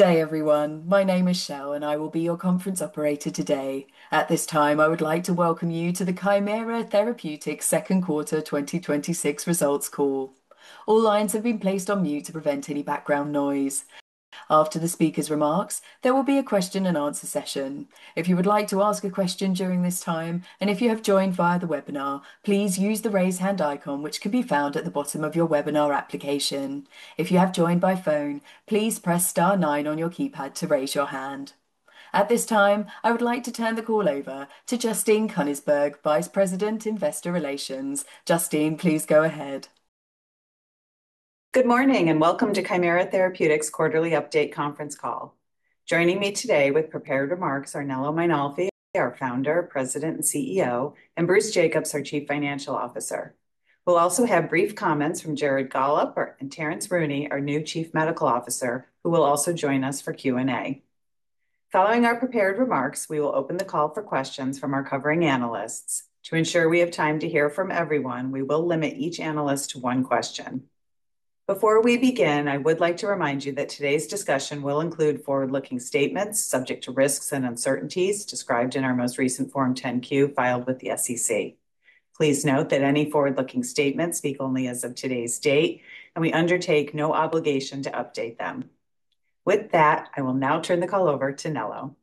Good day, everyone. My name is Shell, and I will be your conference operator today. At this time, I would like to welcome you to the Kymera Therapeutics second quarter 2026 results call. All lines have been placed on mute to prevent any background noise. After the speaker's remarks, there will be a question and answer session. If you would like to ask a question during this time, and if you have joined via the webinar, please use the raise hand icon, which can be found at the bottom of your webinar application. If you have joined by phone, please press star nine on your keypad to raise your hand. At this time, I would like to turn the call over to Justine Koenigsberg, Vice President, Investor Relations. Justine, please go ahead. Good morning, welcome to Kymera Therapeutics quarterly update conference call. Joining me today with prepared remarks are Nello Mainolfi, our Founder, President, and CEO, and Bruce Jacobs, our Chief Financial Officer. We'll also have brief comments from Jared Gollob and Terence Rooney, our new Chief Medical Officer, who will also join us for Q&A. Following our prepared remarks, we will open the call for questions from our covering analysts. To ensure we have time to hear from everyone, we will limit each analyst to one question. Before we begin, I would like to remind you that today's discussion will include forward-looking statements subject to risks and uncertainties described in our most recent Form 10-Q filed with the SEC. Please note that any forward-looking statements speak only as of today's date, and we undertake no obligation to update them. I will now turn the call over to Nello.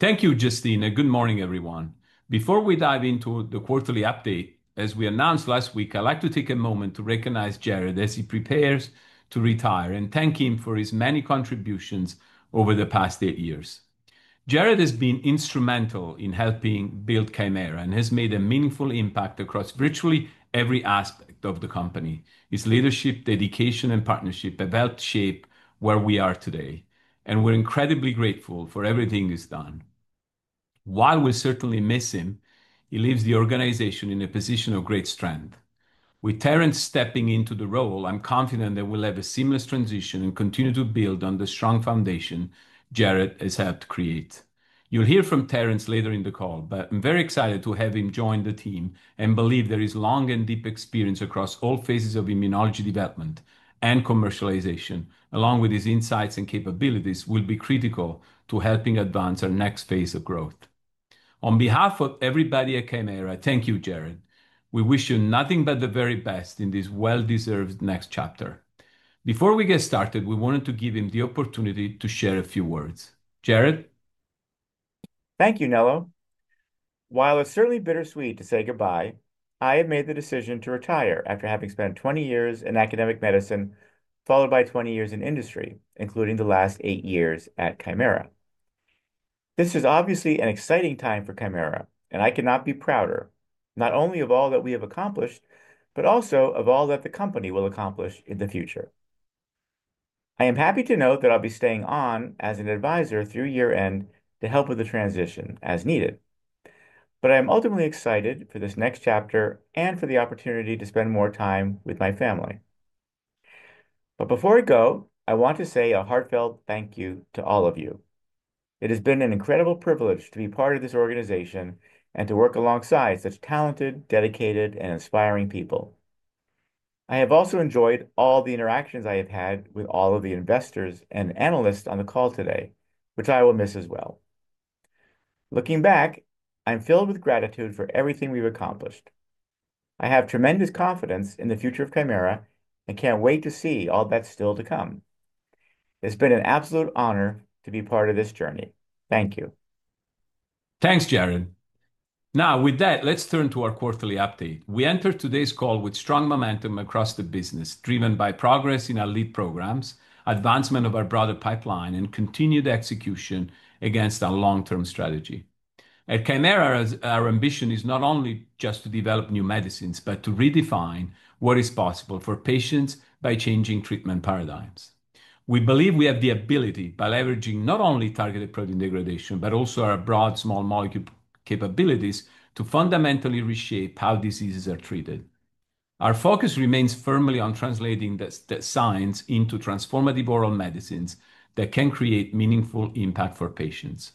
Thank you, Justine. Good morning, everyone. Before we dive into the quarterly update, as we announced last week, I'd like to take a moment to recognize Jared as he prepares to retire, and thank him for his many contributions over the past eight years. Jared has been instrumental in helping build Kymera and has made a meaningful impact across virtually every aspect of the company. His leadership, dedication, and partnership have helped shape where we are today, and we're incredibly grateful for everything he's done. While we'll certainly miss him, he leaves the organization in a position of great strength. With Terence stepping into the role, I'm confident that we'll have a seamless transition and continue to build on the strong foundation Jared has helped create. You'll hear from Terence later in the call, I'm very excited to have him join the team and believe his long and deep experience across all phases of immunology development and commercialization, along with his insights and capabilities, will be critical to helping advance our next phase of growth. On behalf of everybody at Kymera, thank you, Jared. We wish you nothing but the very best in this well-deserved next chapter. Before we get started, we wanted to give him the opportunity to share a few words. Jared? Thank you, Nello. While it's certainly bittersweet to say goodbye, I have made the decision to retire after having spent 20 years in academic medicine, followed by 20 years in industry, including the last eight years at Kymera. This is obviously an exciting time for Kymera, and I cannot be prouder, not only of all that we have accomplished, but also of all that the company will accomplish in the future. I am happy to note that I'll be staying on as an advisor through year-end to help with the transition as needed. I am ultimately excited for this next chapter and for the opportunity to spend more time with my family. Before I go, I want to say a heartfelt thank you to all of you. It has been an incredible privilege to be part of this organization and to work alongside such talented, dedicated, and inspiring people. I have also enjoyed all the interactions I have had with all of the investors and analysts on the call today, which I will miss as well. Looking back, I'm filled with gratitude for everything we've accomplished. I have tremendous confidence in the future of Kymera and can't wait to see all that's still to come. It's been an absolute honor to be part of this journey. Thank you. Thanks, Jared. Now, with that, let's turn to our quarterly update. We enter today's call with strong momentum across the business, driven by progress in our lead programs, advancement of our broader pipeline, and continued execution against our long-term strategy. At Kymera, our ambition is not only just to develop new medicines, but to redefine what is possible for patients by changing treatment paradigms. We believe we have the ability, by leveraging not only targeted protein degradation, but also our broad small molecule capabilities, to fundamentally reshape how diseases are treated. Our focus remains firmly on translating the science into transformative oral medicines that can create meaningful impact for patients.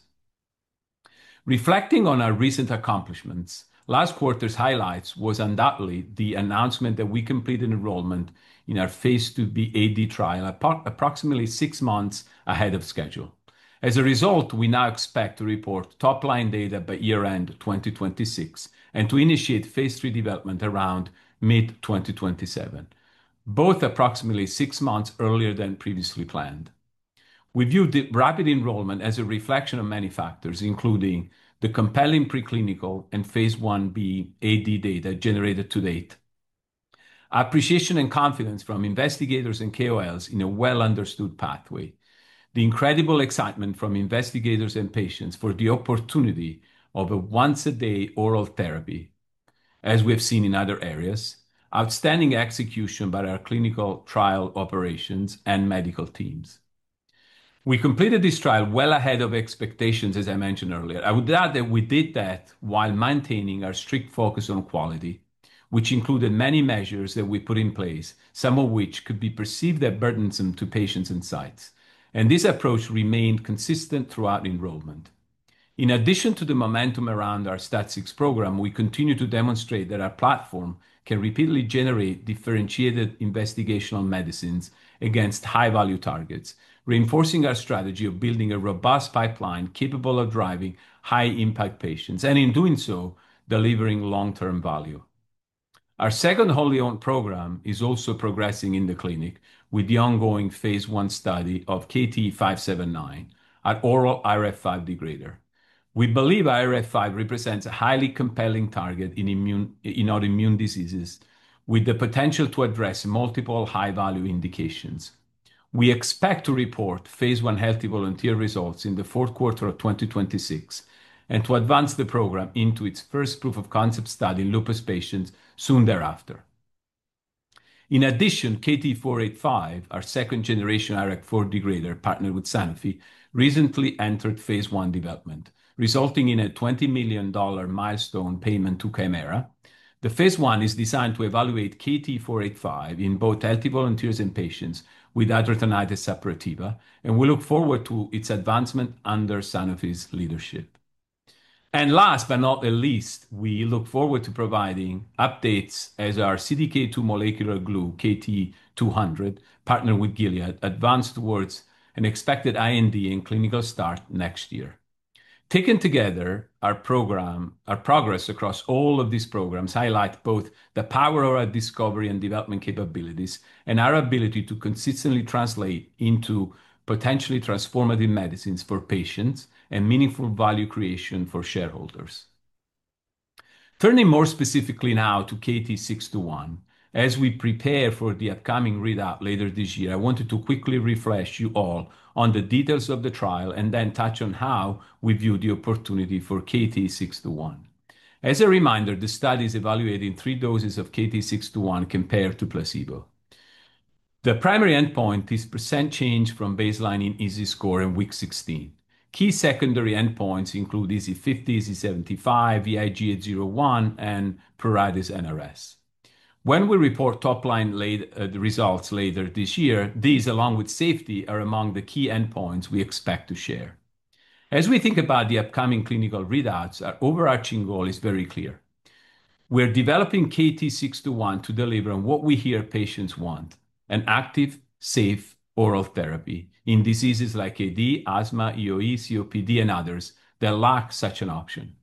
Reflecting on our recent accomplishments, last quarter's highlights was undoubtedly the announcement that we completed enrollment in our phase II-B AD trial approximately six months ahead of schedule. As a result, we now expect to report top-line data by year-end 2026 and to initiate phase III development around mid-2027, both approximately six months earlier than previously planned. We view the rapid enrollment as a reflection of many factors, including the compelling preclinical and phase I-A/B data generated to date. Appreciation and confidence from investigators and KOLs in a well-understood pathway. The incredible excitement from investigators and patients for the opportunity of a once-a-day oral therapy, as we have seen in other areas. Outstanding execution by our clinical trial operations and medical teams. We completed this trial well ahead of expectations, as I mentioned earlier. I would add that we did that while maintaining our strict focus on quality, which included many measures that we put in place, some of which could be perceived as burdensome to patients and sites. This approach remained consistent throughout enrollment. In addition to the momentum around our STAT6 program, we continue to demonstrate that our platform can repeatedly generate differentiated investigational medicines against high-value targets, reinforcing our strategy of building a robust pipeline capable of driving high-impact patients, and in doing so, delivering long-term value. Our second wholly-owned program is also progressing in the clinic with the ongoing phase I study of KT-579, our oral IRF5 degrader. We believe IRF5 represents a highly compelling target in autoimmune diseases with the potential to address multiple high-value indications. We expect to report phase I healthy volunteer results in the fourth quarter of 2026, and to advance the program into its first proof of concept study in lupus patients soon thereafter. In addition, KT-485, our second-generation IRAK4 degrader partnered with Sanofi, recently entered phase I development, resulting in a $20 million milestone payment to Kymera. The phase I is designed to evaluate KT-485 in both healthy volunteers and patients with hidradenitis suppurativa, and we look forward to its advancement under Sanofi's leadership. Last but not least, we look forward to providing updates as our CDK2 molecular glue, KT-200, partnered with Gilead, advanced towards an expected IND in clinical start next year. Taken together, our progress across all of these programs highlight both the power of our discovery and development capabilities and our ability to consistently translate into potentially transformative medicines for patients and meaningful value creation for shareholders. Turning more specifically now to KT-621. As we prepare for the upcoming readout later this year, I wanted to quickly refresh you all on the details of the trial and then touch on how we view the opportunity for KT-621. As a reminder, the study is evaluating three doses of KT-621 compared to placebo. The primary endpoint is percent change from baseline in EASI score in week 16. Key secondary endpoints include EASI-50, EASI-75, IGA at one, and Pruritus NRS. When we report top-line results later this year, these, along with safety, are among the key endpoints we expect to share. As we think about the upcoming clinical readouts, our overarching goal is very clear. We're developing KT-621 to deliver on what we hear patients want, an active, safe oral therapy in diseases like AD, asthma, EoE, COPD, and others that lack such an option.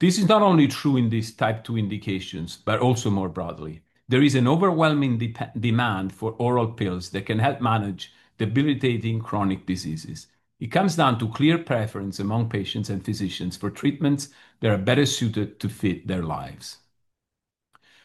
This is not only true in these Type 2 indications, but also more broadly. There is an overwhelming demand for oral pills that can help manage debilitating chronic diseases. It comes down to clear preference among patients and physicians for treatments that are better suited to fit their lives.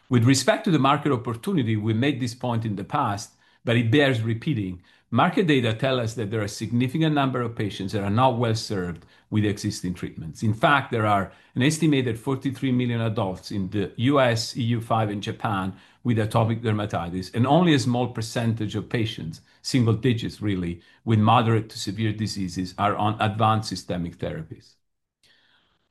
With respect to the market opportunity, we made this point in the past, but it bears repeating. Market data tell us that there are a significant number of patients that are not well-served with existing treatments. In fact, there are an estimated 43 million adults in the U.S., EU5, and Japan with atopic dermatitis, and only a small percentage of patients, single digits really, with moderate to severe diseases are on advanced systemic therapies.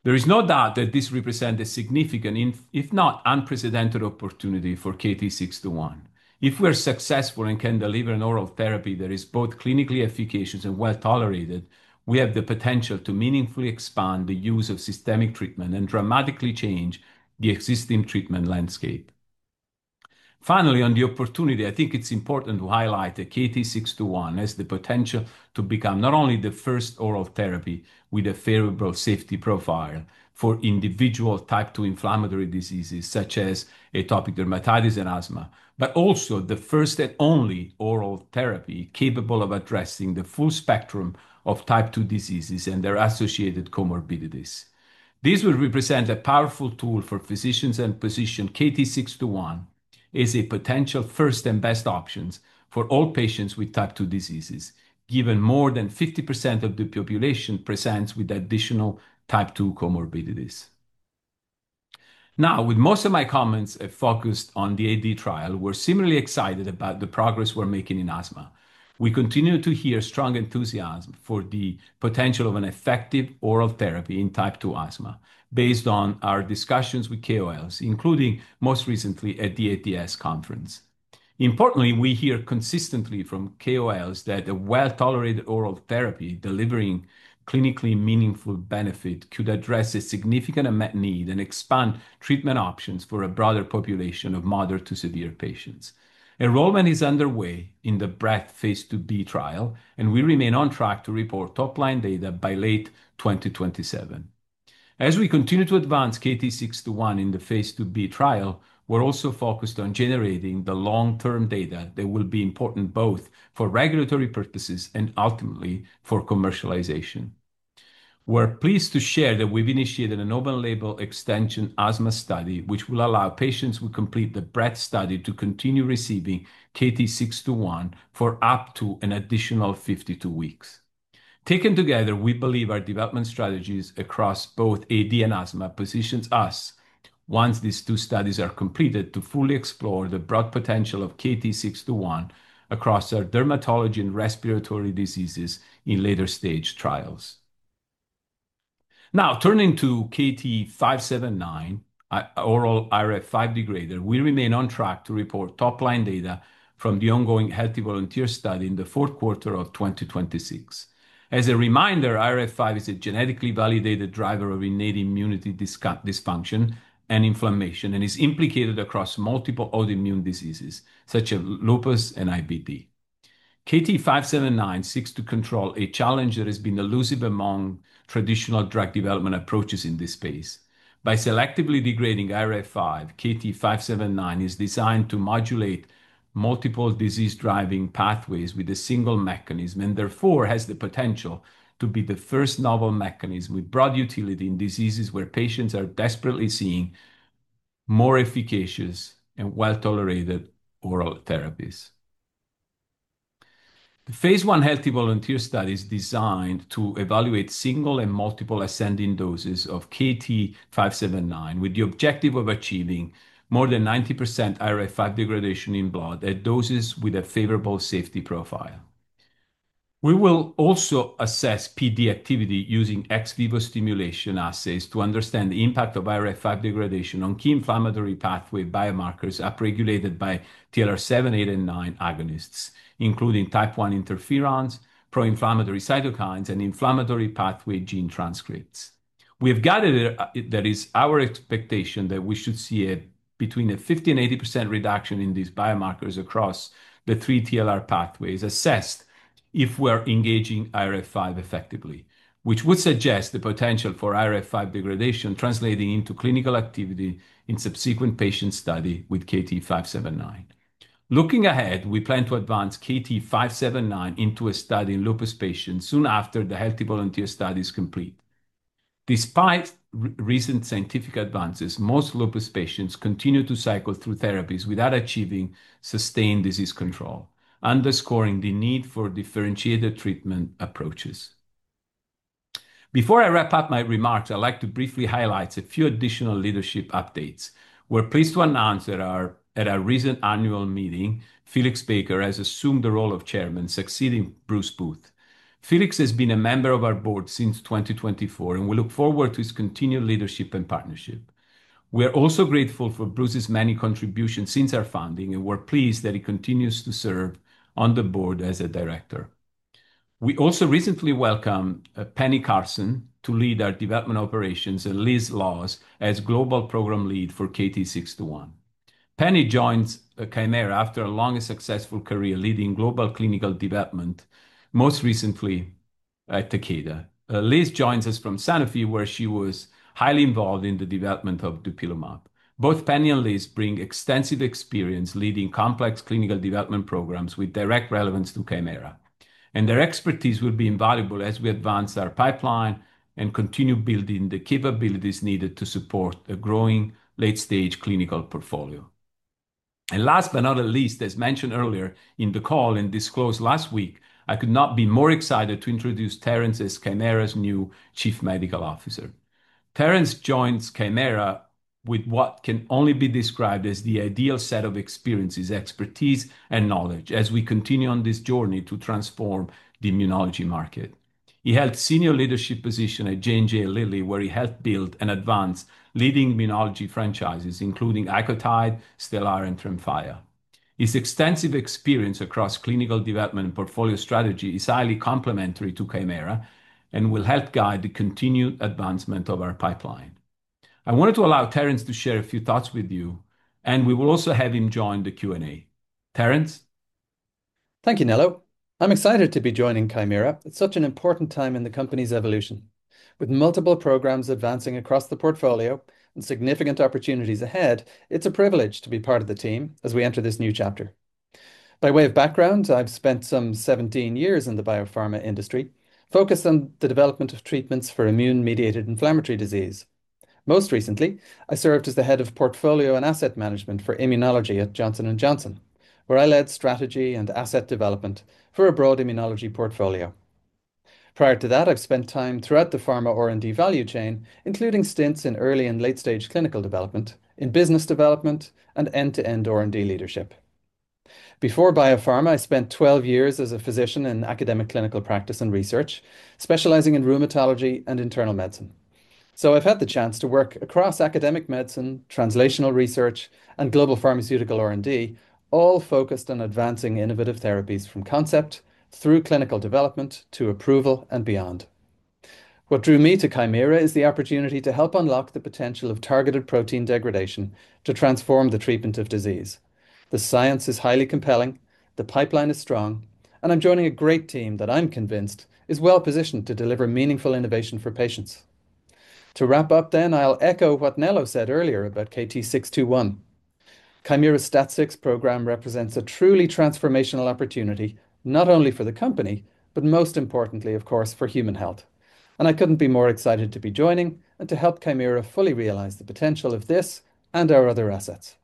There is no doubt that this represents a significant, if not unprecedented opportunity for KT-621. If we're successful and can deliver an oral therapy that is both clinically efficacious and well-tolerated, we have the potential to meaningfully expand the use of systemic treatment and dramatically change the existing treatment landscape. Finally, on the opportunity, I think it's important to highlight that KT-621 has the potential to become not only the first oral therapy with a favorable safety profile for individual Type 2 inflammatory diseases such as atopic dermatitis and asthma, but also the first and only oral therapy capable of addressing the full spectrum of Type 2 diseases and their associated comorbidities. This will represent a powerful tool for physicians and position KT-621 as a potential first and best options for all patients with Type 2 diseases, given more than 50% of the population presents with additional Type 2 comorbidities. With most of my comments focused on the AD trial, we're similarly excited about the progress we're making in asthma. We continue to hear strong enthusiasm for the potential of an effective oral therapy in Type 2 asthma based on our discussions with KOLs, including most recently at the ATS conference. Importantly, we hear consistently from KOLs that a well-tolerated oral therapy delivering clinically meaningful benefit could address a significant unmet need and expand treatment options for a broader population of moderate to severe patients. Enrollment is underway in the BREADTH phase II-B trial, and we remain on track to report top-line data by late 2027. As we continue to advance KT-621 in the phase II-B trial, we're also focused on generating the long-term data that will be important both for regulatory purposes and ultimately for commercialization. We're pleased to share that we've initiated an open-label extension asthma study, which will allow patients who complete the BREADTH study to continue receiving KT-621 for up to an additional 52 weeks. Taken together, we believe our development strategies across both AD and asthma positions us, once these two studies are completed, to fully explore the broad potential of KT-621 across our dermatology and respiratory diseases in later-stage trials. Turning to KT-579, oral IRF5 degrader, we remain on track to report top-line data from the ongoing healthy volunteer study in the fourth quarter of 2026. As a reminder, IRF5 is a genetically validated driver of innate immunity dysfunction and inflammation and is implicated across multiple autoimmune diseases such as lupus and IBD. KT-579 seeks to control a challenge that has been elusive among traditional drug development approaches in this space. By selectively degrading IRF5, KT-579 is designed to modulate multiple disease-driving pathways with a single mechanism, and therefore has the potential to be the first novel mechanism with broad utility in diseases where patients are desperately seeing more efficacious and well-tolerated oral therapies. The phase I healthy volunteer study is designed to evaluate single and multiple ascending doses of KT-579 with the objective of achieving more than 90% IRF5 degradation in blood at doses with a favorable safety profile. We will also assess PD activity using ex vivo stimulation assays to understand the impact of IRF5 degradation on key inflammatory pathway biomarkers upregulated by TLR7, 8, and 9 agonists, including Type 1 interferons, pro-inflammatory cytokines, and inflammatory pathway gene transcripts. We have gathered that is our expectation that we should see between a 50% and 80% reduction in these biomarkers across the three TLR pathways assessed if we're engaging IRF5 effectively. Which would suggest the potential for IRF5 degradation translating into clinical activity in subsequent patient study with KT-579. Looking ahead, we plan to advance KT-579 into a study in lupus patients soon after the healthy volunteer study is complete. Despite recent scientific advances, most lupus patients continue to cycle through therapies without achieving sustained disease control, underscoring the need for differentiated treatment approaches. Before I wrap up my remarks, I'd like to briefly highlight a few additional leadership updates. We're pleased to announce at our recent annual meeting, Felix Baker has assumed the role of Chairman succeeding Bruce Booth. Felix has been a member of our board since 2024. We look forward to his continued leadership and partnership. We are also grateful for Bruce's many contributions since our founding. We're pleased that he continues to serve on the board as a director. We also recently welcomed Penny Carlson to lead our development operations. Liz Laws as global program lead for KT-621. Penny joins Kymera after a long and successful career leading global clinical development, most recently at Takeda. Liz joins us from Sanofi, where she was highly involved in the development of dupilumab. Both Penny and Liz bring extensive experience leading complex clinical development programs with direct relevance to Kymera. Their expertise will be invaluable as we advance our pipeline and continue building the capabilities needed to support a growing late-stage clinical portfolio. Last but not least, as mentioned earlier in the call and disclosed last week, I could not be more excited to introduce Terence as Kymera's new Chief Medical Officer. Terence joins Kymera with what can only be described as the ideal set of experiences, expertise, and knowledge as we continue on this journey to transform the immunology market. He held senior leadership position at J&J, Lilly, where he helped build and advance leading immunology franchises including ICOTYDE, STELARA, and TREMFYA. His extensive experience across clinical development and portfolio strategy is highly complementary to Kymera. Will help guide the continued advancement of our pipeline. I wanted to allow Terence to share a few thoughts with you. We will also have him join the Q&A. Terence? Thank you, Nello. I'm excited to be joining Kymera at such an important time in the company's evolution. With multiple programs advancing across the portfolio and significant opportunities ahead, it's a privilege to be part of the team as we enter this new chapter. By way of background, I've spent some 17 years in the biopharma industry focused on the development of treatments for immune-mediated inflammatory disease. Most recently, I served as the Head of Portfolio and Asset Management for Immunology at Johnson & Johnson, where I led strategy and asset development for a broad immunology portfolio. Prior to that, I've spent time throughout the pharma R&D value chain, including stints in early and late-stage clinical development, in business development. End-to-end R&D leadership. Before biopharma, I spent 12 years as a physician in academic clinical practice and research, specializing in rheumatology and internal medicine. I've had the chance to work across academic medicine, translational research, and global pharmaceutical R&D, all focused on advancing innovative therapies from concept through clinical development to approval and beyond. What drew me to Kymera is the opportunity to help unlock the potential of targeted protein degradation to transform the treatment of disease. The science is highly compelling, the pipeline is strong, and I'm joining a great team that I'm convinced is well-positioned to deliver meaningful innovation for patients. To wrap up then, I'll echo what Nello said earlier about KT-621. Kymera STAT6 program represents a truly transformational opportunity, not only for the company, but most importantly, of course, for human health. I couldn't be more excited to be joining and to help Kymera fully realize the potential of this and our other assets.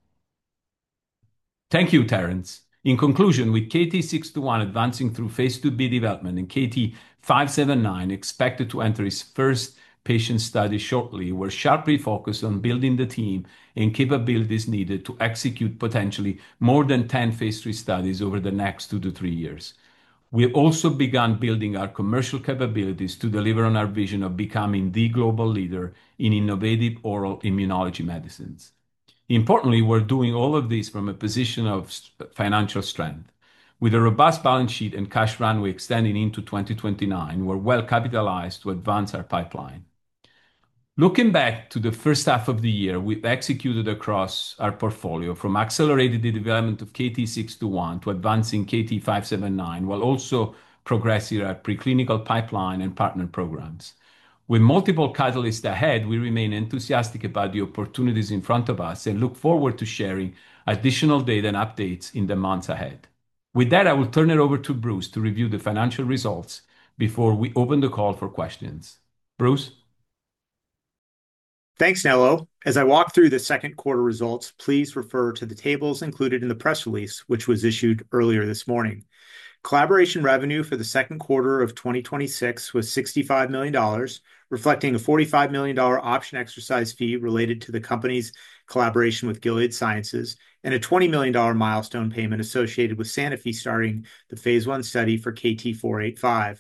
Thank you, Terence. In conclusion, with KT-621 advancing through phase II-B development and KT-579 expected to enter its first patient study shortly, we're sharply focused on building the team and capabilities needed to execute potentially more than 10 phase III studies over the next two to three years. We have also begun building our commercial capabilities to deliver on our vision of becoming the global leader in innovative oral immunology medicines. Importantly, we're doing all of this from a position of financial strength. With a robust balance sheet and cash runway extending into 2029, we're well-capitalized to advance our pipeline. Looking back to the first half of the year, we've executed across our portfolio, from accelerating the development of KT-621 to advancing KT-579, while also progressing our preclinical pipeline and partner programs. With multiple catalysts ahead, we remain enthusiastic about the opportunities in front of us and look forward to sharing additional data and updates in the months ahead. With that, I will turn it over to Bruce to review the financial results before we open the call for questions. Bruce? Thanks, Nello. As I walk through the second quarter results, please refer to the tables included in the press release, which was issued earlier this morning. Collaboration revenue for the second quarter of 2026 was $65 million, reflecting a $45 million option exercise fee related to the company's collaboration with Gilead Sciences, and a $20 million milestone payment associated with Sanofi starting the phase I study for KT-485.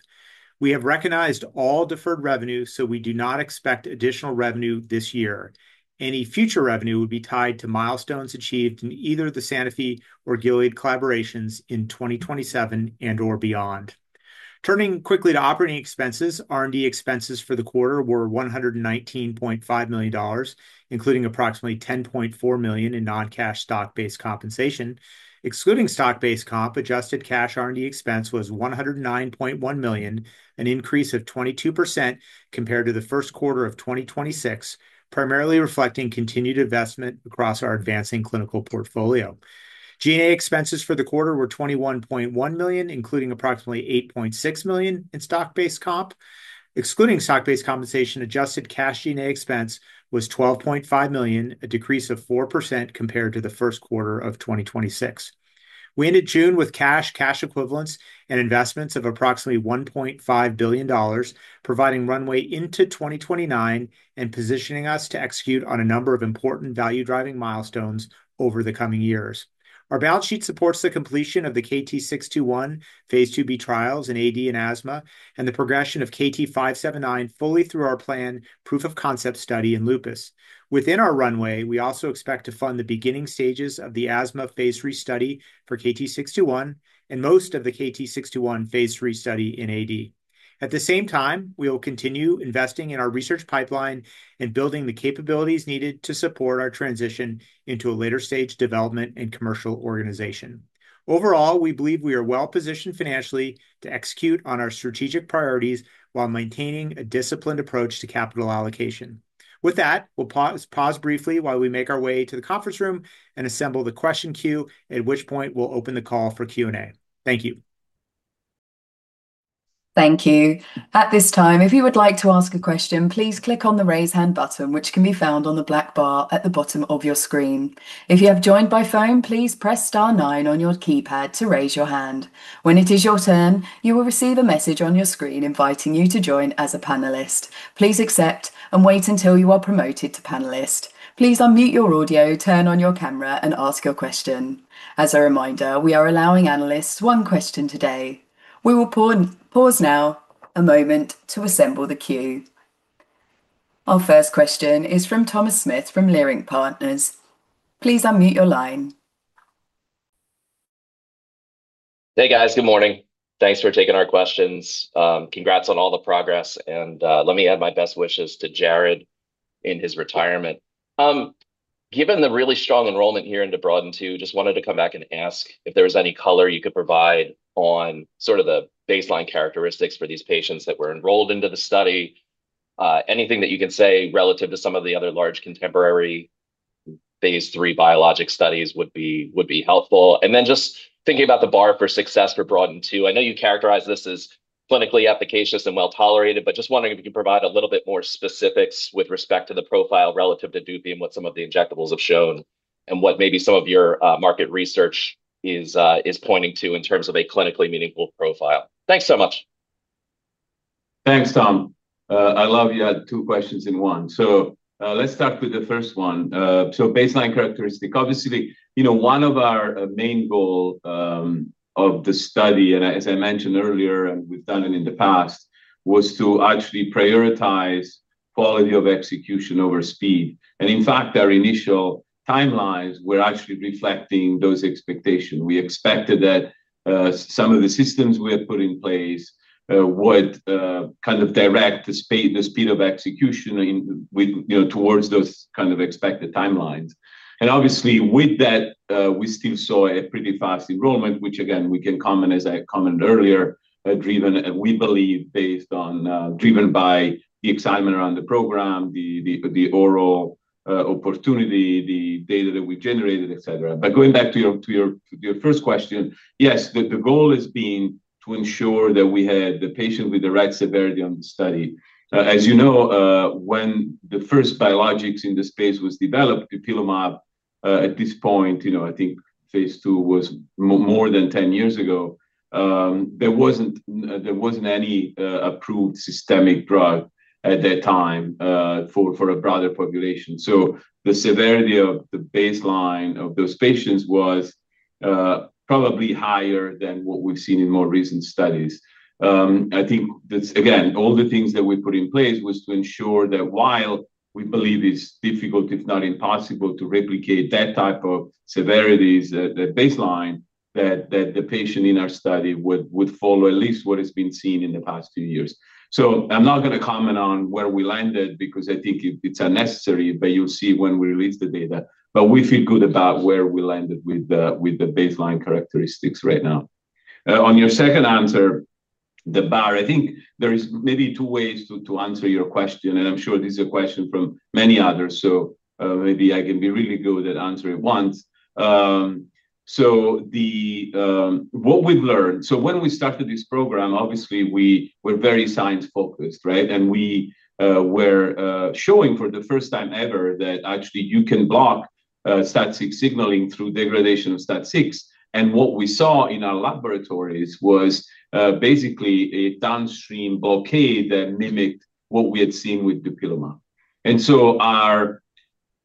We have recognized all deferred revenue, so we do not expect additional revenue this year. Any future revenue would be tied to milestones achieved in either the Sanofi or Gilead collaborations in 2027 and/or beyond. Turning quickly to operating expenses, R&D expenses for the quarter were $119.5 million, including approximately $10.4 million in non-cash stock-based compensation. Excluding stock-based comp, adjusted cash R&D expense was $109.1 million, an increase of 22% compared to the first quarter of 2026, primarily reflecting continued investment across our advancing clinical portfolio. G&A expenses for the quarter were $21.1 million, including approximately $8.6 million in stock-based comp. Excluding stock-based compensation, adjusted cash G&A expense was $12.5 million, a decrease of 4% compared to the first quarter of 2026. We ended June with cash equivalents, and investments of approximately $1.5 billion, providing runway into 2029 and positioning us to execute on a number of important value-driving milestones over the coming years. Our balance sheet supports the completion of the KT-621 phase II-B trials in AD and asthma, and the progression of KT-579 fully through our planned proof of concept study in lupus. Within our runway, we also expect to fund the beginning stages of the asthma phase III study for KT-621 and most of the KT-621 phase III study in AD. At the same time, we will continue investing in our research pipeline and building the capabilities needed to support our transition into a later-stage development and commercial organization. Overall, we believe we are well-positioned financially to execute on our strategic priorities while maintaining a disciplined approach to capital allocation. With that, we will pause briefly while we make our way to the conference room and assemble the question queue, at which point we will open the call for Q&A. Thank you. Thank you. At this time, if you would like to ask a question, please click on the raise hand button, which can be found on the black bar at the bottom of your screen. If you have joined by phone, please press star nine on your keypad to raise your hand. When it is your turn, you will receive a message on your screen inviting you to join as a panelist. Please accept and wait until you are promoted to panelist. Please unmute your audio, turn on your camera, and ask your question. As a reminder, we are allowing analysts one question today. We will pause now a moment to assemble the queue. Our first question is from Thomas Smith, from Leerink Partners. Please unmute your line. Hey, guys. Good morning. Thanks for taking our questions. Congrats on all the progress and let me add my best wishes to Jared in his retirement. Given the really strong enrollment here into BROADEN2, just wanted to come back and ask if there was any color you could provide on sort of the baseline characteristics for these patients that were enrolled into the study. Anything that you can say relative to some of the other large contemporary phase III biologic studies would be helpful. Just thinking about the bar for success for BROADEN2, I know you characterize this as clinically efficacious and well-tolerated, but just wondering if you could provide a little bit more specifics with respect to the profile relative to dupi and what some of the injectables have shown, and what maybe some of your market research is pointing to in terms of a clinically meaningful profile. Thanks so much. Thanks, Tom. I love you had two questions in one. Let's start with the first one. Baseline characteristic, obviously, one of our main goal of the study, as I mentioned earlier, and we've done it in the past, was to actually prioritize quality of execution over speed. In fact, our initial timelines were actually reflecting those expectation. We expected that some of the systems we had put in place would kind of direct the speed of execution towards those kind of expected timelines. Obviously, with that, we still saw a pretty fast enrollment, which again, we can comment as I commented earlier, driven by the excitement around the program, the oral opportunity, the data that we generated, et cetera. Going back to your first question, yes, the goal has been to ensure that we had the patient with the right severity on the study. As you know, when the first biologics in the space was developed, dupilumab, at this point, I think phase II was more than 10 years ago, there wasn't any approved systemic drug at that time, for a broader population. The severity of the baseline of those patients was probably higher than what we've seen in more recent studies. I think that, again, all the things that we put in place was to ensure that while we believe it's difficult, if not impossible, to replicate that type of severities, the baseline, that the patient in our study would follow at least what has been seen in the past two years. I'm not going to comment on where we landed because I think it's unnecessary, but you'll see when we release the data. We feel good about where we landed with the baseline characteristics right now. On your second answer, the bar, I think there is maybe two ways to answer your question, and I'm sure this is a question from many others, maybe I can be really good at answering it once. What we've learned. When we started this program, obviously, we were very science-focused, right? We were showing for the first time ever that actually you can block STAT6 signaling through degradation of STAT6. What we saw in our laboratories was basically a downstream blockade that mimicked what we had seen with dupilumab. Our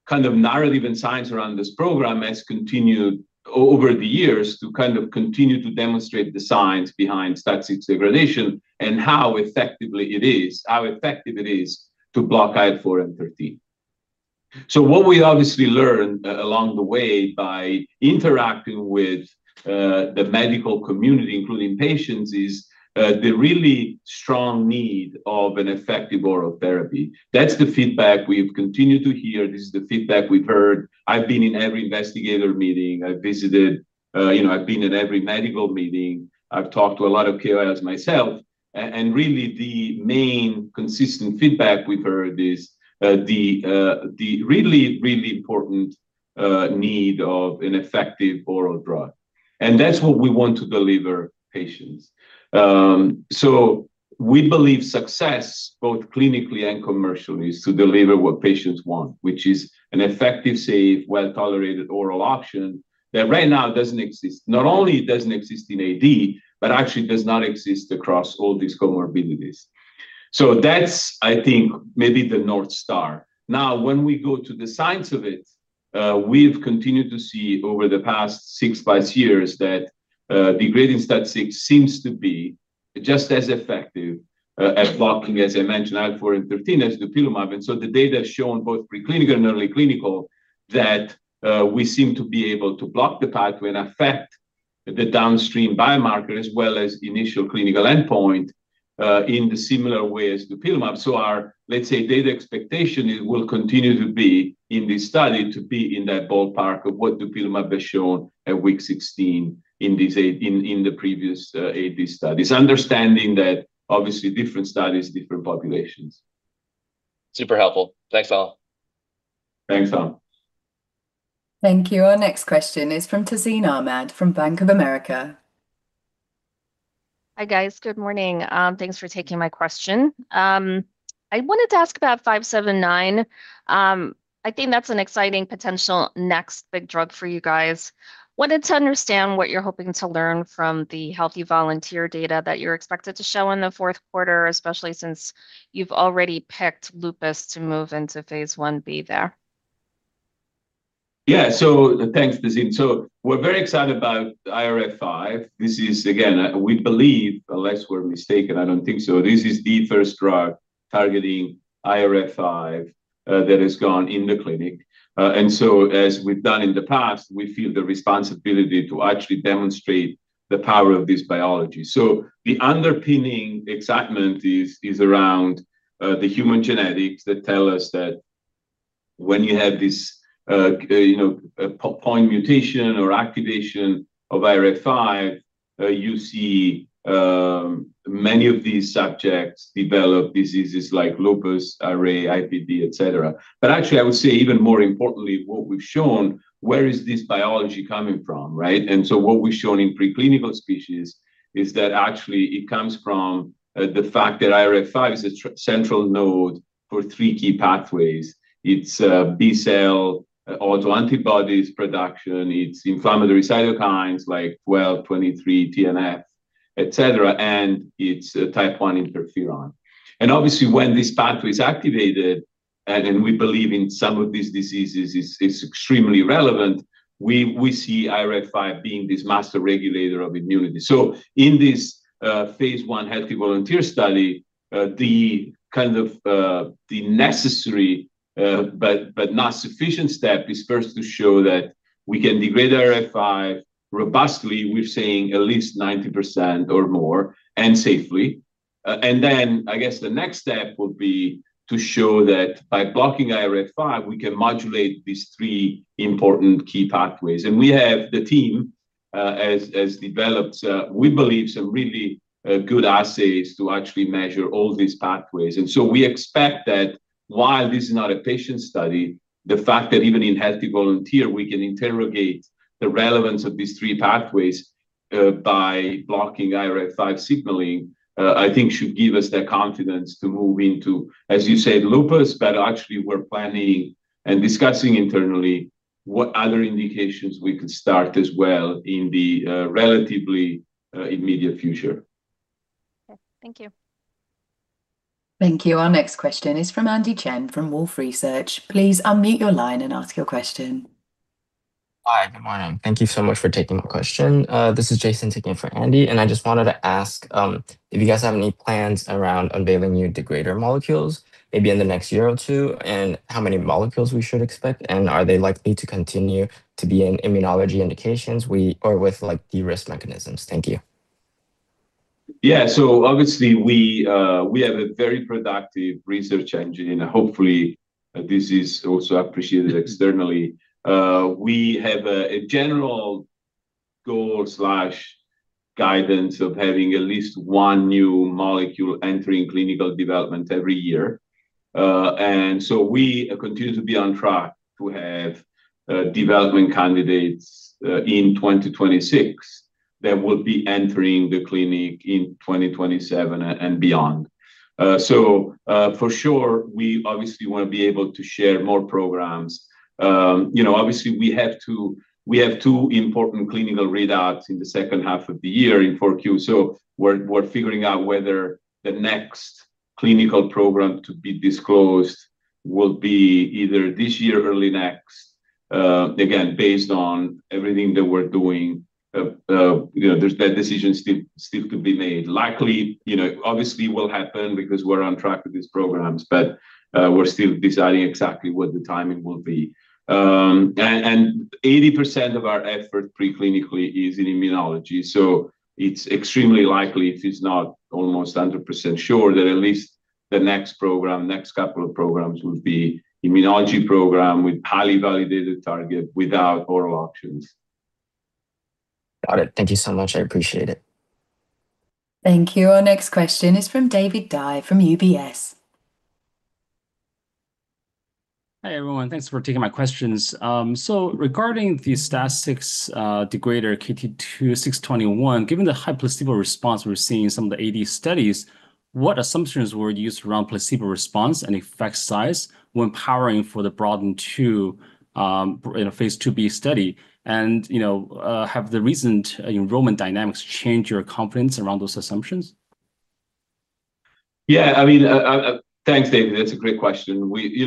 kind of narrative in science around this program has continued over the years to kind of continue to demonstrate the science behind STAT6 degradation and how effective it is to block IL-4 and 13. What we obviously learned along the way by interacting with the medical community, including patients, is the really strong need of an effective oral therapy. That's the feedback we've continued to hear. This is the feedback we've heard. I've been in every investigator meeting, I've visited. I've been in every medical meeting. I've talked to a lot of KOLs myself. Really the main consistent feedback we've heard is the really, really important need of an effective oral drug. That's what we want to deliver patients. We believe success, both clinically and commercially, is to deliver what patients want, which is an effective, safe, well-tolerated oral option that right now doesn't exist. Not only it doesn't exist in AD, but actually does not exist across all these comorbidities. That's, I think, maybe the North Star. Now, when we go to the science of it, we've continued to see over the past six-plus years that degrading STAT6 seems to be just as effective at blocking, as I mentioned, IL-4 and 13 as dupilumab. The data is shown both pre-clinical and early clinical that we seem to be able to block the pathway and affect the downstream biomarker as well as initial clinical endpoint in the similar way as dupilumab. Our, let's say, data expectation will continue to be in this study to be in that ballpark of what dupilumab has shown at week 16 in the previous AD studies, understanding that obviously different studies, different populations. Super helpful. Thanks, all. Thanks, Tom. Thank you. Our next question is from Tazeen Ahmad, from Bank of America. Hi, guys. Good morning. Thanks for taking my question. I wanted to ask about 579. I think that's an exciting potential next big drug for you guys. Wanted to understand what you're hoping to learn from the healthy volunteer data that you're expected to show in the fourth quarter, especially since you've already picked lupus to move into phase I-B there. Thanks, Tazeen. We're very excited about IRF5. This is, again, we believe, unless we're mistaken, I don't think so, this is the first drug targeting IRF5 that has gone in the clinic. As we've done in the past, we feel the responsibility to actually demonstrate the power of this biology. The underpinning excitement is around the human genetics that tell us that when you have this point mutation or activation of IRF5, you see many of these subjects develop diseases like lupus, RA, IBD, et cetera. Actually, I would say even more importantly, what we've shown, where is this biology coming from, right? What we've shown in preclinical species is that actually it comes from the fact that IRF5 is a central node for three key pathways. It's B cell, autoantibodies production, it's inflammatory cytokines like 12, 23, TNF, et cetera, and it's Type 1 interferon. Obviously when this pathway is activated, we believe in some of these diseases it's extremely relevant, we see IRF5 being this master regulator of immunity. In this phase I healthy volunteer study, the kind of necessary but not sufficient step is first to show that we can degrade IRF5 robustly, we're saying at least 90% or more, and safely. Then I guess the next step would be to show that by blocking IRF5, we can modulate these three important key pathways. The team has developed, we believe, some really good assays to actually measure all these pathways. We expect that while this is not a patient study, the fact that even in healthy volunteer we can interrogate the relevance of these three pathways by blocking IRF5 signaling, I think should give us the confidence to move into, as you said, lupus, actually we're planning and discussing internally what other indications we could start as well in the relatively immediate future. Okay. Thank you. Thank you. Our next question is from Andy Chen from Wolfe Research. Please unmute your line and ask your question. Hi, good morning. Thank you so much for taking my question. This is Jason taking for Andy, I just wanted to ask if you guys have any plans around unveiling new degrader molecules, maybe in the next year or two, and how many molecules we should expect, are they likely to continue to be in immunology indications or with de-risk mechanisms? Thank you. Yeah. Obviously we have a very productive research engine, hopefully this is also appreciated externally. We have a general goal/guidance of having at least one new molecule entering clinical development every year. We continue to be on track to have development candidates in 2026 that will be entering the clinic in 2027 and beyond. For sure, we obviously want to be able to share more programs. Obviously, we have two important clinical readouts in the second half of the year in 4Q, we're figuring out whether the next clinical program to be disclosed will be either this year or early next. Again, based on everything that we're doing, that decision is still to be made. Obviously, it will happen because we're on track with these programs, but we're still deciding exactly what the timing will be. 80% of our effort pre-clinically is in immunology, it's extremely likely, if it's not almost 100% sure, that at least the next couple of programs will be immunology program with highly validated target without oral options. Got it. Thank you so much. I appreciate it. Thank you. Our next question is from David Dai from UBS. Hi, everyone. Thanks for taking my questions. Regarding the STAT6 degrader KT-621, given the high placebo response we're seeing in some of the AD studies, what assumptions were used around placebo response and effect size when powering for the BROADEN2 in a phase II-B study? Have the recent enrollment dynamics changed your confidence around those assumptions? Yeah. Thanks, David. That's a great question. We're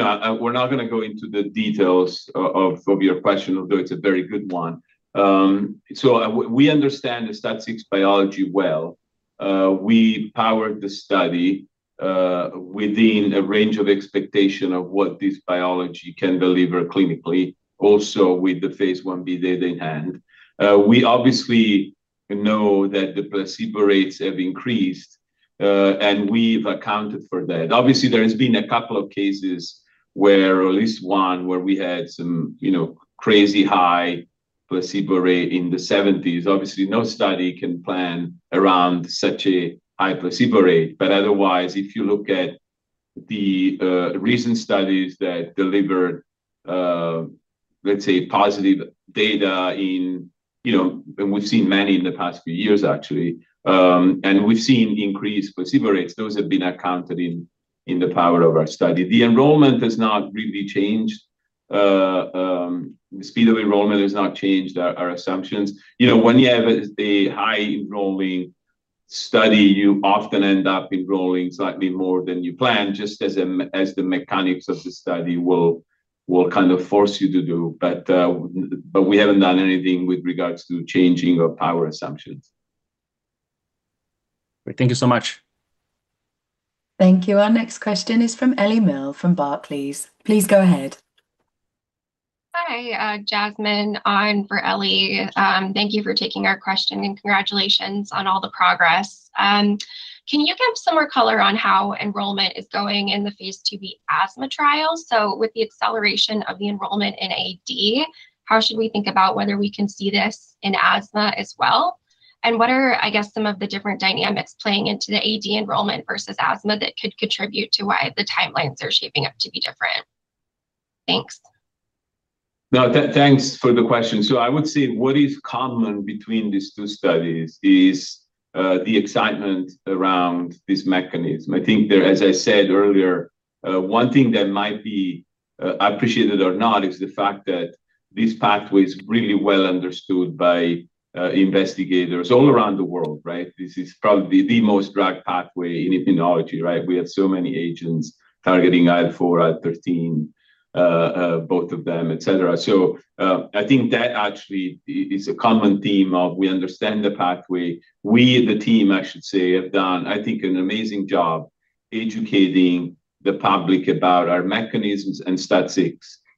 not going to go into the details of your question, although it's a very good one. We understand the STAT6 biology well. We powered the study within a range of expectation of what this biology can deliver clinically, also with the phase I-B data in hand. We obviously know that the placebo rates have increased, and we've accounted for that. Obviously, there has been a couple of cases where, or at least one, where we had some crazy high placebo rate in the 70s. Obviously, no study can plan around such a high placebo rate. Otherwise, if you look at the recent studies that delivered, let's say, positive data in, and we've seen many in the past few years, actually, and we've seen increased placebo rates. Those have been accounted in the power of our study. The enrollment has not really changed. The speed of enrollment has not changed our assumptions. When you have a high enrolling study, you often end up enrolling slightly more than you plan, just as the mechanics of the study will kind of force you to do. We haven't done anything with regards to changing our power assumptions. Great. Thank you so much. Thank you. Our next question is from Ellie Merle from Barclays. Please go ahead. Hi, Jasmine. I'm for Ellie. Thank you for taking our question, and congratulations on all the progress. Can you give some more color on how enrollment is going in the phase II-B asthma trial? With the acceleration of the enrollment in AD, how should we think about whether we can see this in asthma as well? What are some of the different dynamics playing into the AD enrollment versus asthma that could contribute to why the timelines are shaping up to be different? Thanks. Thanks for the question. I would say what is common between these two studies is the excitement around this mechanism. I think there, as I said earlier, one thing that might be appreciated or not is the fact that this pathway is really well understood by investigators all around the world, right? This is probably the most dragged pathway in immunology, right? We have so many agents targeting IL-4, IL-13, both of them, et cetera. I think that actually is a common theme of we understand the pathway. We, the team, I should say, have done, I think, an amazing job educating the public about our mechanisms and STAT6.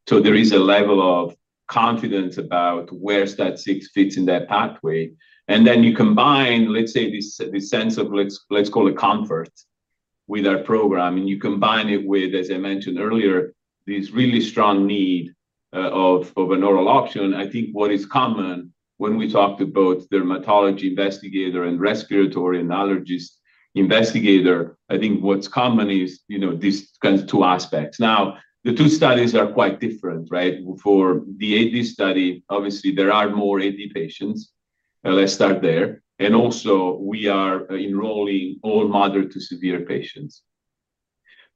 There is a level of confidence about where STAT6 fits in that pathway. You combine, let's say, this sense of let's call it comfort with our program, and you combine it with, as I mentioned earlier, this really strong need of an oral option. I think what is common when we talk to both dermatology investigator and respiratory and allergist investigator, I think what is common is these kinds of two aspects. The two studies are quite different, right? For the AD study, obviously, there are more AD patients. Let's start there. Also, we are enrolling all moderate to severe patients.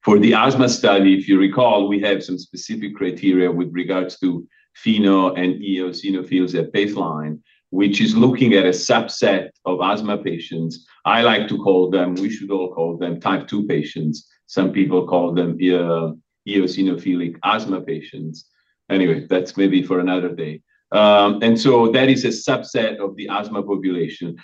For the asthma study, if you recall, we have some specific criteria with regards to pheno and eosinophils at baseline, which is looking at a subset of asthma patients. I like to call them, we should all call them Type 2 patients. Some people call them eosinophilic asthma patients. Anyway, that's maybe for another day. That is a subset of the asthma population.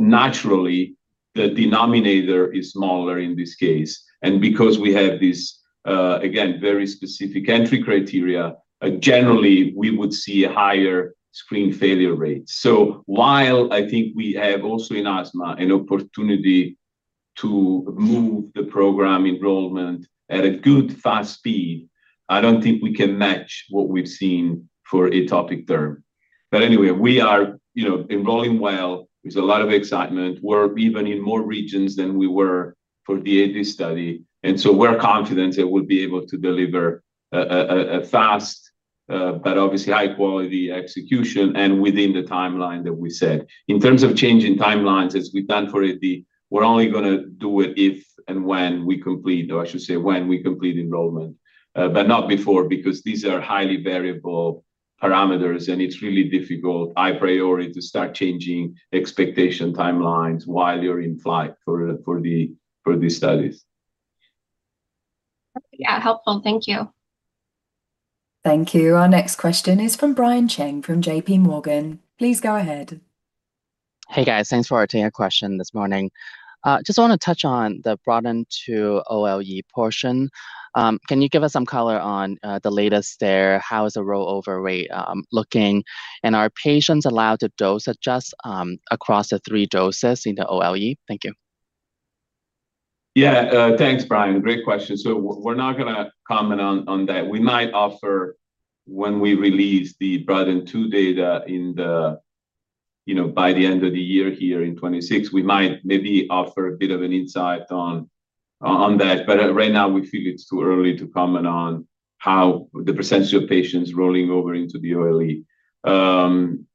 Naturally, the denominator is smaller in this case, and because we have this, again, very specific entry criteria, generally we would see higher screen failure rates. While I think we have also in asthma an opportunity to move the program enrollment at a good, fast speed, I don't think we can match what we've seen for atopic derm. Anyway, we are enrolling well. There's a lot of excitement. We're even in more regions than we were for the AD study, so we're confident that we'll be able to deliver a fast, but obviously high-quality execution and within the timeline that we said. In terms of changing timelines as we've done for AD, we're only going to do it if and when we complete, or I should say, when we complete enrollment. Not before, because these are highly variable parameters and it's really difficult, a priority to start changing expectation timelines while you're in flight for the studies. Yeah, helpful. Thank you. Thank you. Our next question is from Brian Cheng from JPMorgan. Please go ahead. Hey, guys. Thanks for taking our question this morning. Just want to touch on the BROADEN2 OLE portion. Can you give us some color on the latest there? How is the rollover rate looking, and are patients allowed to dose adjust across the three doses in the OLE? Thank you. Yeah. Thanks, Brian. Great question. We're not going to comment on that. We might offer when we release the BROADEN2 data by the end of the year here in 2026, we might maybe offer a bit of an insight on that, but right now we feel it's too early to comment on how the percentage of patients rolling over into the OLE. On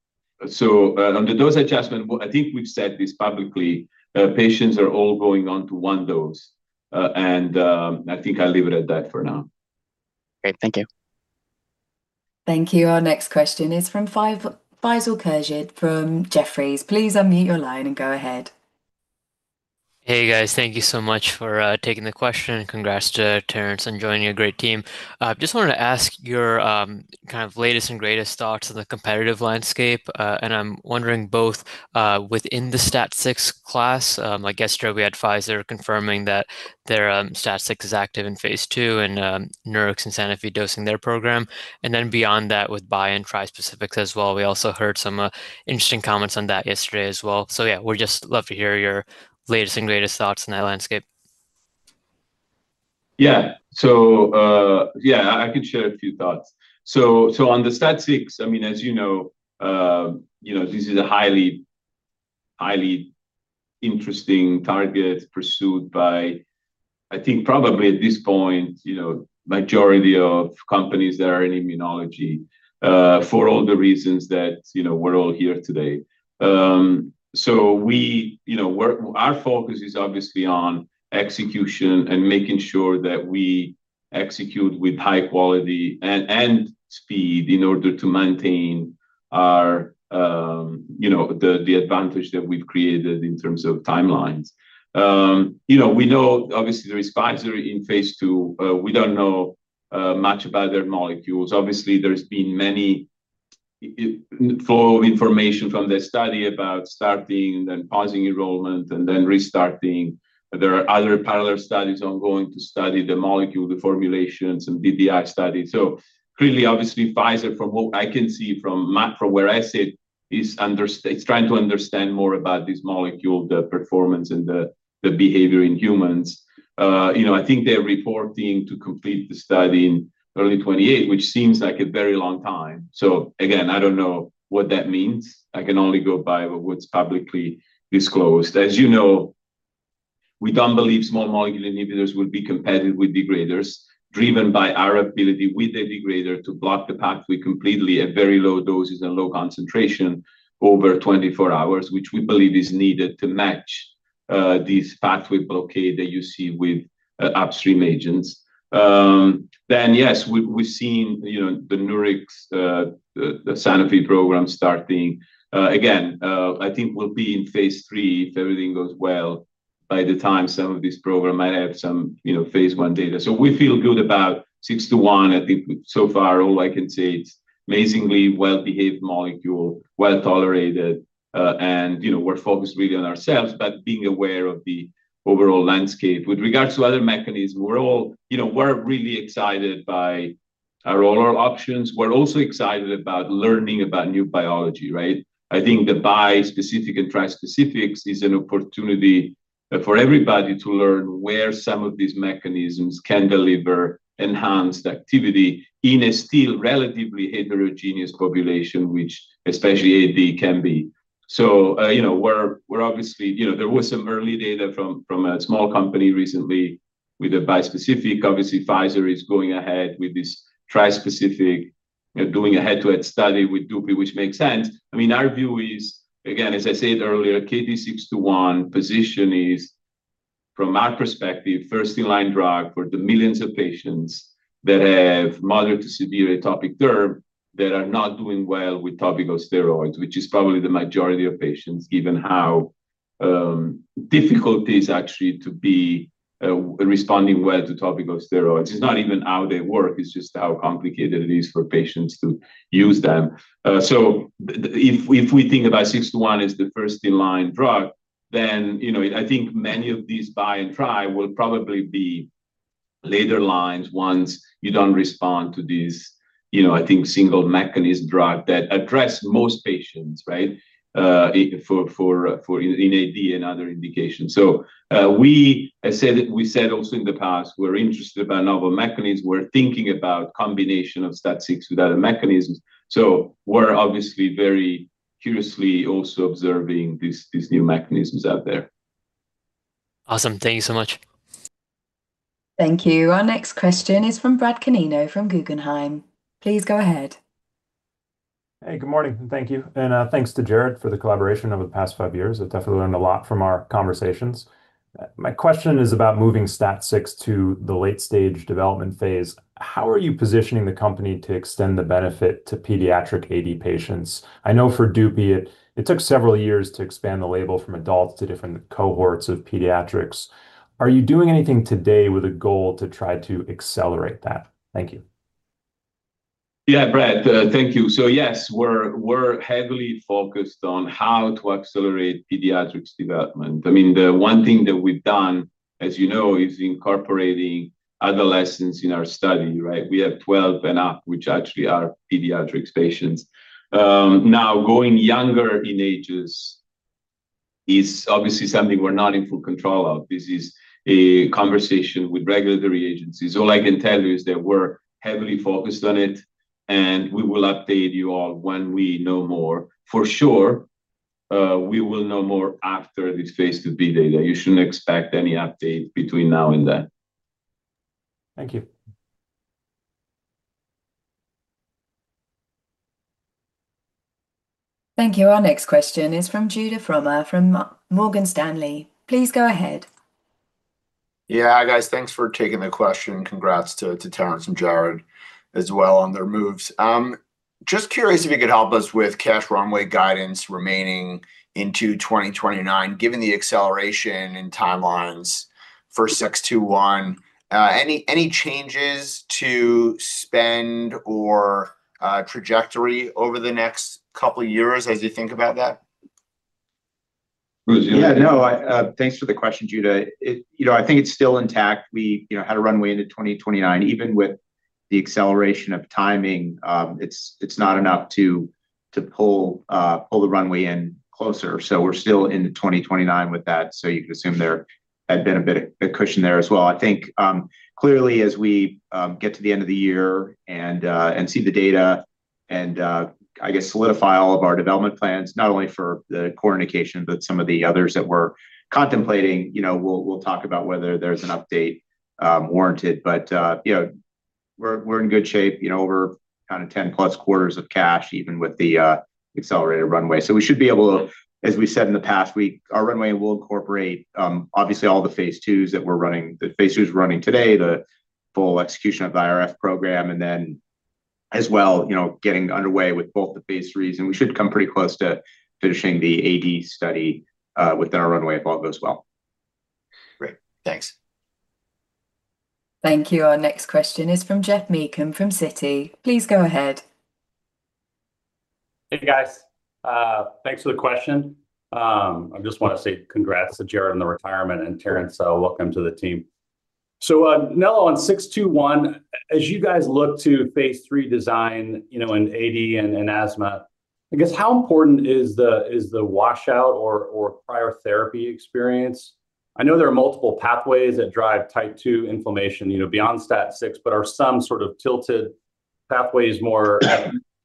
the dose adjustment, I think we've said this publicly, patients are all going on to one dose, and I think I'll leave it at that for now. Great. Thank you. Thank you. Our next question is from Faisal Khurshid from Jefferies. Please unmute your line and go ahead. Hey, guys. Thank you so much for taking the question. Congrats to Terence on joining your great team. Just wanted to ask your kind of latest and greatest thoughts on the competitive landscape. I'm wondering both within the STAT6 class, like yesterday we had Pfizer confirming that their STAT6 is active in phase II, Nurix and Sanofi dosing their program, and beyond that with bi and trispecifics as well. We also heard some interesting comments on that yesterday as well. Yeah, would just love to hear your latest and greatest thoughts on that landscape. Yeah. Yeah, I could share a few thoughts. On the STAT6, as you know, this is a highly interesting target pursued by, I think, probably at this point, majority of companies that are in immunology, for all the reasons that we're all here today. Our focus is obviously on execution and making sure that we execute with high quality and speed in order to maintain the advantage that we've created in terms of timelines. We know obviously there is Pfizer in phase II. We don't know much about their molecules. Obviously, there's been many flow of information from their study about starting and then pausing enrollment and then restarting. There are other parallel studies ongoing to study the molecule, the formulations, and DDI studies. Clearly, obviously, Pfizer, from what I can see from where I sit, is trying to understand more about this molecule, the performance, and the behavior in humans. I think they're reporting to complete the study in early 2028, which seems like a very long time. Again, I don't know what that means. I can only go by what's publicly disclosed. As you know, we don't believe small molecule inhibitors would be competitive with degraders, driven by our ability with a degrader to block the pathway completely at very low doses and low concentration over 24 hours, which we believe is needed to match this pathway blockade that you see with upstream agents. Yes, we've seen the Nurix, the Sanofi program starting. Again, I think we'll be in phase III if everything goes well by the time some of this program might have some phase I data. We feel good about 61 at the. So far all I can say it's amazingly well-behaved molecule, well-tolerated, and we're focused really on ourselves, but being aware of the overall landscape. With regards to other mechanisms, we're really excited by our oral options. We're also excited about learning about new biology, right? I think the bispecific and trispecifics is an opportunity for everybody to learn where some of these mechanisms can deliver enhanced activity in a still relatively heterogeneous population, which especially AD can be. There was some early data from a small company recently with a bispecific. Obviously, Pfizer is going ahead with this trispecific, doing a head-to-head study with dupi, which makes sense. Our view is, again, as I said earlier, KT-621 position is, from our perspective, first-in-line drug for the millions of patients that have moderate to severe atopic derm that are not doing well with topical steroids, which is probably the majority of patients, given how difficult it is actually to be responding well to topical steroids. It's not even how they work, it's just how complicated it is for patients to use them. If we think about 621 as the first-in-line drug, then I think many of these bi- and tri- will probably be later lines once you don't respond to these, I think, single-mechanism drug that address most patients, for AD and other indications. We said also in the past, we're interested by novel mechanisms. We're thinking about combination of STAT6 with other mechanisms. We're obviously very curiously also observing these new mechanisms out there. Awesome. Thank you so much. Thank you. Our next question is from Brad Canino, from Guggenheim. Please go ahead. Hey, good morning. Thank you. Thanks to Jared for the collaboration over the past five years. I've definitely learned a lot from our conversations. My question is about moving STAT6 to the late stage development phase. How are you positioning the company to extend the benefit to pediatric AD patients? I know for dupi, it took several years to expand the label from adults to different cohorts of pediatrics. Are you doing anything today with a goal to try to accelerate that? Thank you. Yeah, Brad, thank you. Yes, we're heavily focused on how to accelerate pediatrics development. The one thing that we've done, as you know, is incorporating adolescents in our study. We have 12 and up, which actually are pediatrics patients. Going younger in ages is obviously something we're not in full control of. This is a conversation with regulatory agencies. All I can tell you is that we're heavily focused on it, and we will update you all when we know more. For sure, we will know more after the phase II-B data. You shouldn't expect any update between now and then. Thank you. Thank you. Our next question is from Judah Frommer, from Morgan Stanley. Please go ahead. Yeah, guys, thanks for taking the question, and congrats to Terence and Jared as well on their moves. Just curious if you could help us with cash runway guidance remaining into 2029, given the acceleration in timelines for 621. Any changes to spend or trajectory over the next couple of years as you think about that? Who's the other- Thanks for the question, Judah. I think it's still intact. We had a runway into 2029. Even with the acceleration of timing, it's not enough to pull the runway in closer. We're still into 2029 with that, you can assume there had been a bit of cushion there as well. I think, clearly, as we get to the end of the year and see the data and, I guess, solidify all of our development plans, not only for the core indication, but some of the others that we're contemplating, we'll talk about whether there's an update warranted. We're in good shape. We're kind of 10-plus quarters of cash, even with the accelerated runway. We should be able to, as we said in the past week, our runway will incorporate, obviously, all the phase IIs that we're running, the phase IIs running today, the full execution of the IRF program, and then as well, getting underway with both the phase IIIs, and we should come pretty close to finishing the AD study within our runway if all goes well. Great. Thanks. Thank you. Our next question is from Geoff Meacham from Citi. Please go ahead. Hey, guys. Thanks for the question. I just want to say congrats to Jared on the retirement, and Terence, welcome to the team. Nello, on 621, as you guys look to phase III design in AD and asthma, I guess, how important is the washout or prior therapy experience? I know there are multiple pathways that drive Type 2 inflammation, beyond STAT6, but are some sort of tilted pathways more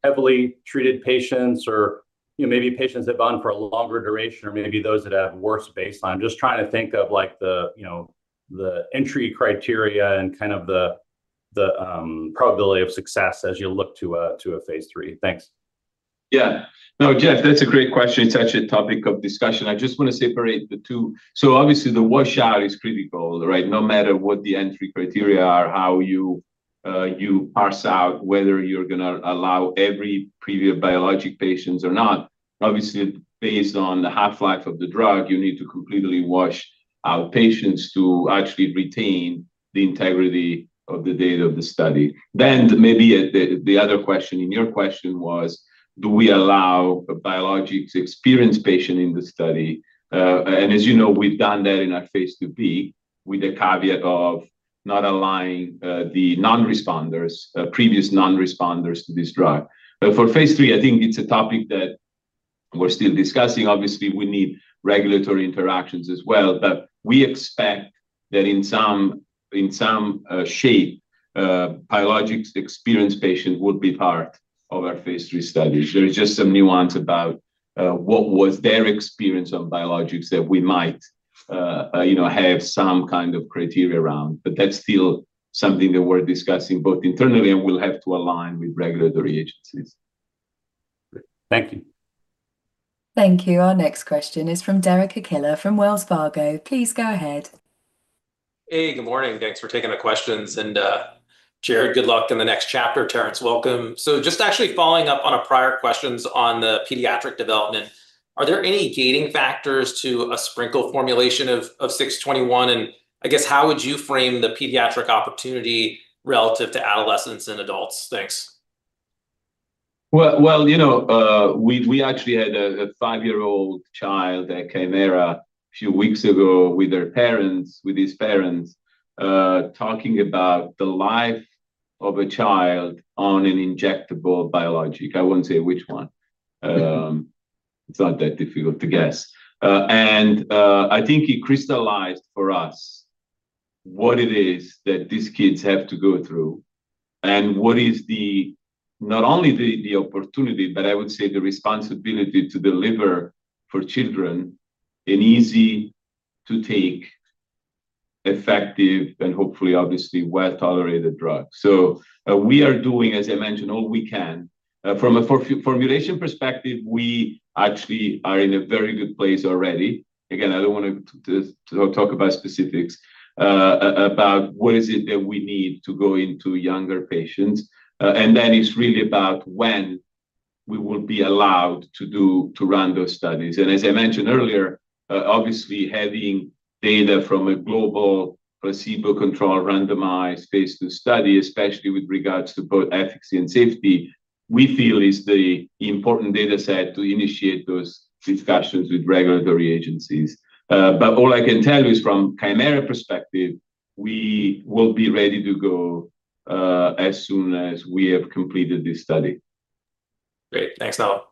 heavily treated patients or maybe patients have been on for a longer duration, or maybe those that have worse baseline. Just trying to think of the entry criteria and kind of the probability of success as you look to a phase III. Thanks. Yeah. No, Geoff, that's a great question. It's actually a topic of discussion. I just want to separate the two. Obviously the washout is critical. No matter what the entry criteria are, how you parse out whether you're going to allow every previous biologic patients or not. Obviously, based on the half-life of the drug, you need to completely wash out patients to actually retain the integrity of the data of the study. Maybe the other question in your question was, do we allow a biologics-experienced patient in the study? As you know, we've done that in our phase II-B, with the caveat of not allowing the previous non-responders to this drug. For phase III, I think it's a topic that we're still discussing. Obviously, we need regulatory interactions as well. We expect that in some shape, biologics-experienced patient would be part of our phase III studies. There is just some nuance about what was their experience on biologics that we might have some kind of criteria around. That's still something that we're discussing both internally and will have to align with regulatory agencies. Great. Thank you. Thank you. Our next question is from Derek Archila from Wells Fargo. Please go ahead. Hey, good morning. Thanks for taking the questions. Jared, good luck in the next chapter. Terence, welcome. Just actually following up on a prior questions on the pediatric development, are there any gating factors to a sprinkle formulation of 621? I guess how would you frame the pediatric opportunity relative to adolescents and adults? Thanks. Well, we actually had a five-year-old child at Kymera a few weeks ago with his parents, talking about the life of a child on an injectable biologic. I won't say which one. Yeah. It's not that difficult to guess. I think it crystallized for us what it is that these kids have to go through and what is not only the opportunity, but I would say the responsibility to deliver for children an easy to take, effective, and hopefully, obviously, well-tolerated drug. We are doing, as I mentioned, all we can. From a formulation perspective, we actually are in a very good place already. Again, I don't want to talk about specifics about what is it that we need to go into younger patients. Then it's really about when we will be allowed to run those studies. As I mentioned earlier, obviously having data from a global placebo-controlled randomized phase II study, especially with regards to both efficacy and safety, we feel is the important data set to initiate those discussions with regulatory agencies. All I can tell you is from Kymera perspective, we will be ready to go as soon as we have completed this study. Great. Thanks, Nello.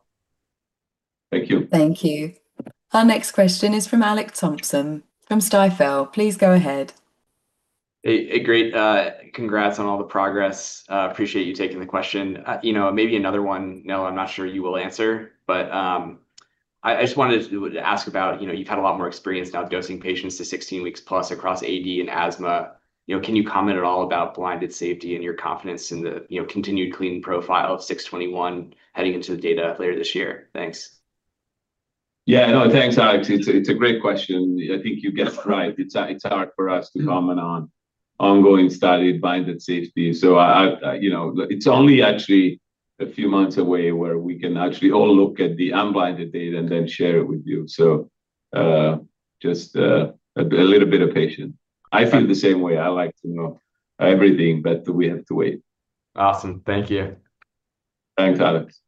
Thank you. Thank you. Our next question is from Alex Thompson from Stifel. Please go ahead. Hey, great. Congrats on all the progress. Appreciate you taking the question. Maybe another one, Nello, I'm not sure you will answer, I just wanted to ask about, you've had a lot more experience now dosing patients to 16 weeks plus across AD and asthma. Can you comment at all about blinded safety and your confidence in the continued clean profile of 621 heading into the data later this year? Thanks. Yeah, no, thanks, Alex. It's a great question. I think you guessed right. It's hard for us to comment on ongoing studied blinded safety. It's only actually a few months away where we can actually all look at the unblinded data and then share it with you. Just a little bit of patience. I feel the same way. I like to know everything, but we have to wait. Awesome. Thank you. Thanks, Alex.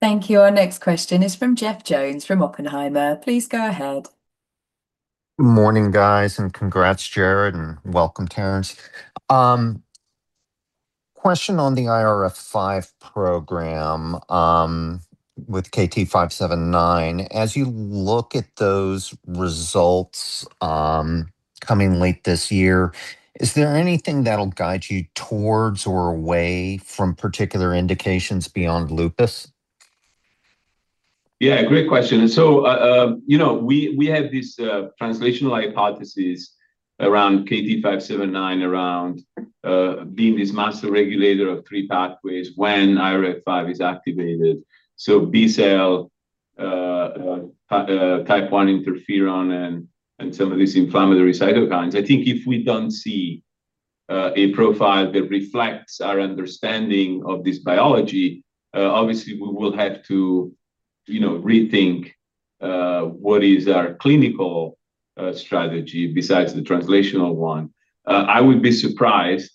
Thank you. Our next question is from Jeff Jones from Oppenheimer. Please go ahead. Morning, guys, and congrats, Jared, and welcome, Terence. Question on the IRF5 program with KT-579. As you look at those results coming late this year, is there anything that'll guide you towards or away from particular indications beyond lupus? Yeah, great question. We have this translational hypothesis around KT-579 around being this master regulator of three pathways when IRF5 is activated. B cell, Type 1 interferon, and some of these inflammatory cytokines. I think if we don't see a profile that reflects our understanding of this biology, obviously we will have to rethink what is our clinical strategy besides the translational one. I would be surprised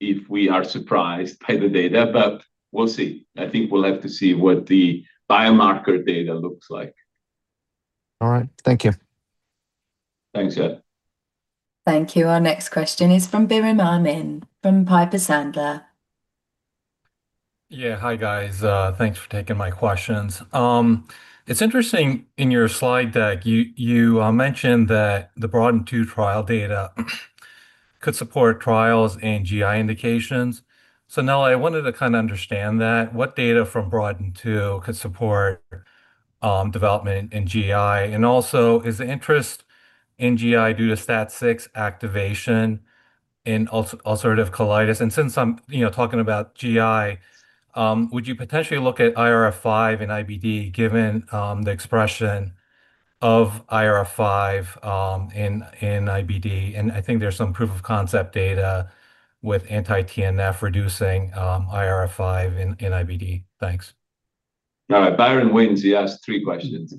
if we are surprised by the data, but we'll see. I think we'll have to see what the biomarker data looks like. All right. Thank you. Thanks, Jeff. Thank you. Our next question is from Biren Amin from Piper Sandler. Hi, guys. Thanks for taking my questions. It's interesting in your slide deck, you mentioned that the BROADEN2 trial data could support trials in GI indications. Now I wanted to kind of understand that. What data from BROADEN2 could support development in GI? Also, is the interest in GI due to STAT6 activation in ulcerative colitis? Since I'm talking about GI, would you potentially look at IRF5 and IBD given the expression of IRF5 in IBD? I think there's some proof of concept data with anti-TNF reducing IRF5 in IBD. Thanks. All right. Biren wins. He asked three questions.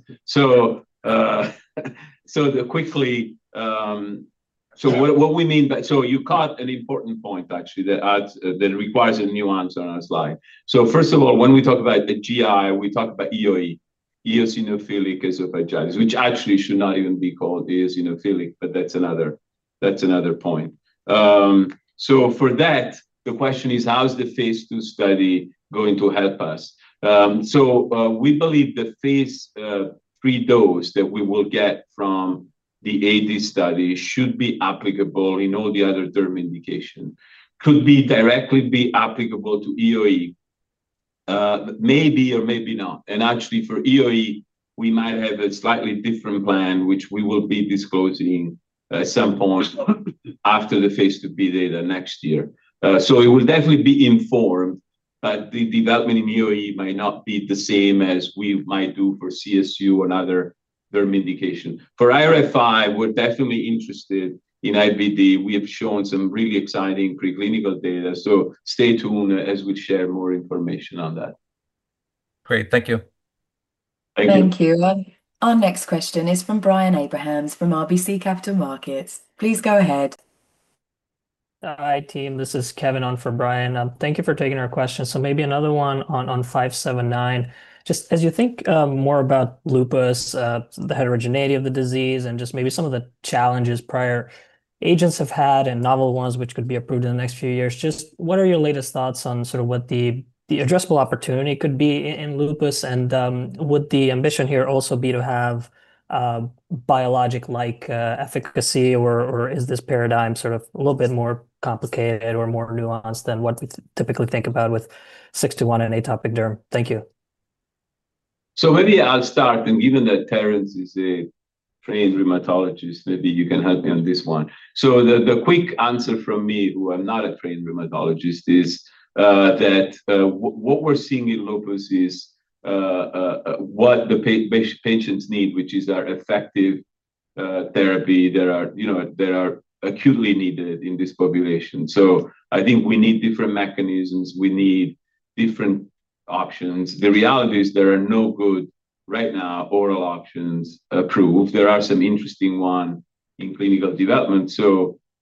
Quickly, you caught an important point, actually, that requires a nuance on our slide. First of all, when we talk about the GI, we talk about EoE, eosinophilic esophagitis, which actually should not even be called eosinophilic, but that's another point. For that, the question is, how is the phase II study going to help us? We believe the phase III dose that we will get from the AD study should be applicable in all the other term indication, could be directly be applicable to EoE Maybe, or maybe not. Actually for EoE, we might have a slightly different plan, which we will be disclosing at some point after the phase II-B data next year. It will definitely be informed, but the development in EoE might not be the same as we might do for CSU and other derm indication. For IRF5, we're definitely interested in IBD. We have shown some really exciting pre-clinical data, stay tuned as we share more information on that. Great. Thank you. Thank you. Thank you. Our next question is from Brian Abrahams, from RBC Capital Markets. Please go ahead. Hi, team. This is Kevin on for Brian. Thank you for taking our question. Maybe another one on 579. Just as you think more about lupus, the heterogeneity of the disease, and just maybe some of the challenges prior agents have had and novel ones which could be approved in the next few years. Just what are your latest thoughts on sort of what the addressable opportunity could be in lupus and would the ambition here also be to have biologic-like efficacy or is this paradigm sort of a little bit more complicated or more nuanced than what we typically think about with 621 and atopic derm? Thank you. Maybe I'll start, given that Terence is a trained rheumatologist, maybe you can help me on this one. The quick answer from me, who I'm not a trained rheumatologist, is that what we're seeing in lupus is what the patients need, which is our effective therapy that are acutely needed in this population. I think we need different mechanisms, we need different options. The reality is there are no good, right now, oral options approved. There are some interesting one in clinical development.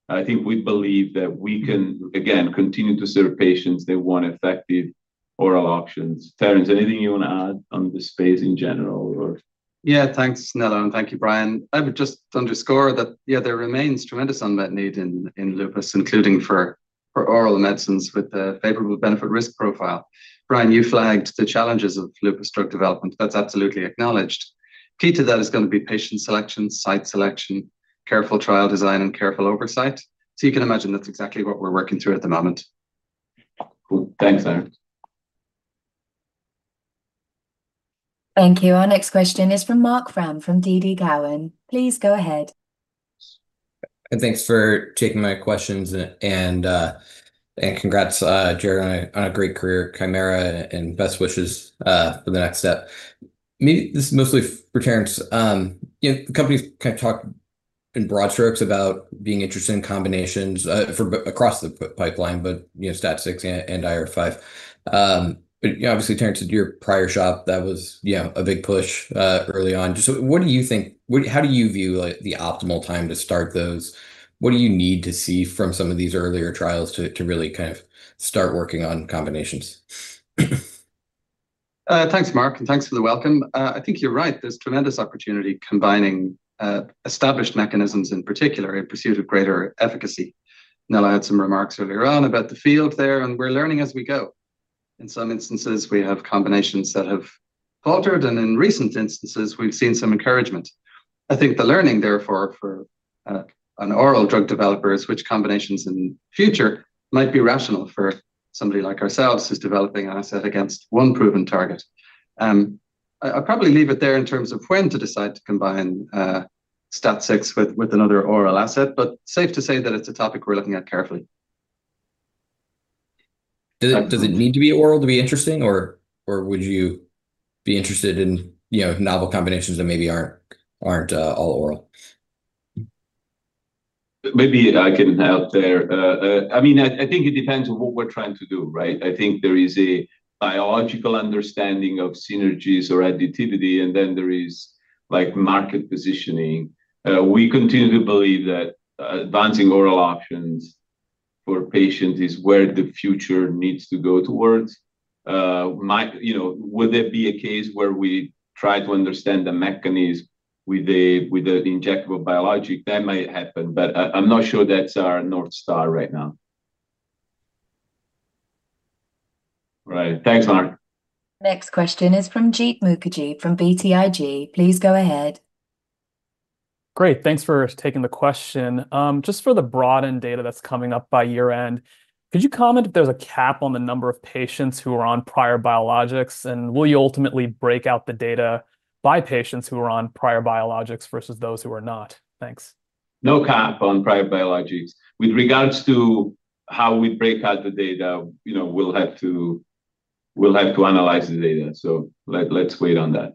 I think we believe that we can, again, continue to serve patients that want effective oral options. Terence, anything you want to add on this space in general or? Yeah, thanks, Nello, and thank you, Brian. I would just underscore that, yeah, there remains tremendous unmet need in lupus, including for oral medicines with a favorable benefit risk profile. Brian, you flagged the challenges of lupus drug development. That's absolutely acknowledged. Key to that is going to be patient selection, site selection, careful trial design, and careful oversight. You can imagine that's exactly what we're working through at the moment. Cool. Thanks, Terence. Thank you. Our next question is from Marc Frahm from TD Cowen. Please go ahead. Thanks for taking my questions and congrats, Jared, on a great career at Kymera and best wishes for the next step. This is mostly for Terence. Companies kind of talk in broad strokes about being interested in combinations across the pipeline, but STAT6 and IRF5. Obviously, Terence, at your prior job, that was a big push early on. Just what do you think, how do you view the optimal time to start those? What do you need to see from some of these earlier trials to really kind of start working on combinations? Thanks, Marc, and thanks for the welcome. I think you're right. There's tremendous opportunity combining established mechanisms, in particular, in pursuit of greater efficacy. I had some remarks earlier on about the field there, and we're learning as we go. In some instances, we have combinations that have faltered, and in recent instances, we've seen some encouragement. I think the learning, therefore, for an oral drug developer is which combinations in future might be rational for somebody like ourselves who's developing an asset against one proven target. I'll probably leave it there in terms of when to decide to combine STAT6 with another oral asset. Safe to say that it's a topic we're looking at carefully. Does it need to be oral to be interesting, or would you be interested in novel combinations that maybe aren't all oral? Maybe I can help there. I think it depends on what we're trying to do, right? I think there is a biological understanding of synergies or additivity, and then there is market positioning. We continue to believe that advancing oral options for patients is where the future needs to go towards. Would there be a case where we try to understand the mechanism with the injectable biologic? That might happen, but I'm not sure that's our North Star right now. Right. Thanks, Nello. Next question is from Jeet Mukherjee from BTIG. Please go ahead. Great. Thanks for taking the question. Just for the BROADEN2 data that's coming up by year-end, could you comment if there's a cap on the number of patients who are on prior biologics, and will you ultimately break out the data by patients who are on prior biologics versus those who are not? Thanks. No cap on prior biologics. With regards to how we break out the data, we'll have to analyze the data. Let's wait on that.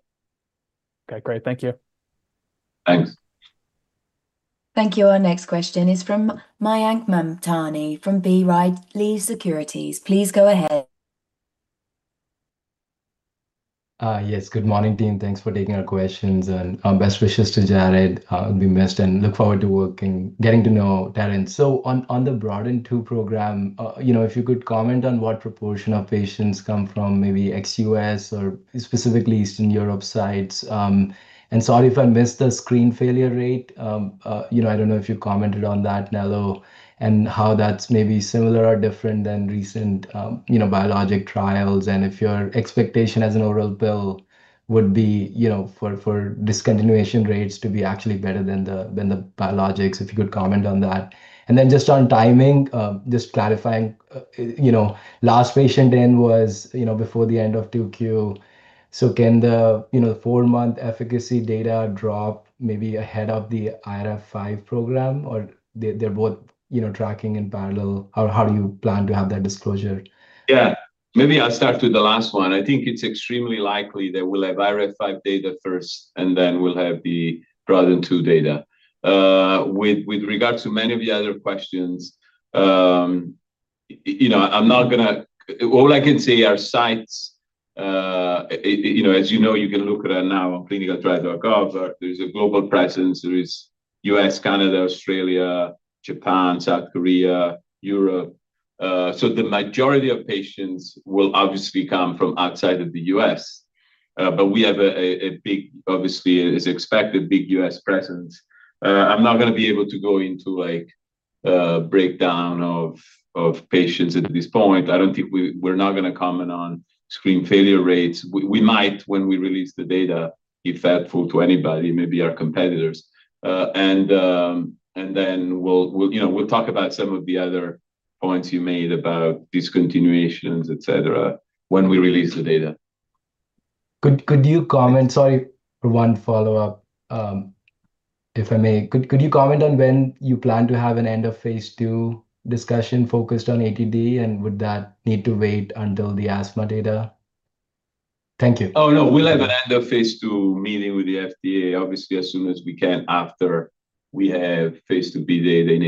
Okay, great. Thank you. Thanks. Thank you. Our next question is from Mayank Mamtani from B. Riley Securities. Please go ahead. Yes. Good morning, team. Thanks for taking our questions. Our best wishes to Jared. He'll be missed. Look forward to working, getting to know Terence. On the BROADEN2 program, if you could comment on what proportion of patients come from maybe ex U.S. or specifically Eastern Europe sites. Sorry if I missed the screen failure rate. I don't know if you commented on that, Nello, and how that's maybe similar or different than recent biologic trials. If your expectation as an oral pill would be for discontinuation rates to be actually better than the biologics, if you could comment on that. Just on timing, just clarifying, last patient in was before the end of 2Q. Can the four-month efficacy data drop maybe ahead of the IRF5 program, or they're both tracking in parallel? How do you plan to have that disclosure? Yeah. Maybe I'll start with the last one. I think it's extremely likely that we'll have IRF5 data first. Then we'll have the BROADEN2 data. With regard to many of the other questions, all I can say are sites, as you know, you can look at it now on clinicaltrials.gov, there is a global presence. There is U.S., Canada, Australia, Japan, South Korea, Europe. The majority of patients will obviously come from outside of the U.S. We have, as expected, big U.S. presence. I'm not going to be able to go into a breakdown of patients at this point. We're not going to comment on screen failure rates. We might, when we release the data, be thoughtful to anybody, maybe our competitors. Then we'll talk about some of the other points you made about discontinuations, et cetera, when we release the data. Sorry, one follow-up, if I may. Could you comment on when you plan to have an end of phase II discussion focused on AD, and would that need to wait until the asthma data? Thank you. Oh, no. We'll have an end of phase II meeting with the FDA, obviously, as soon as we can after we have phase II-B data in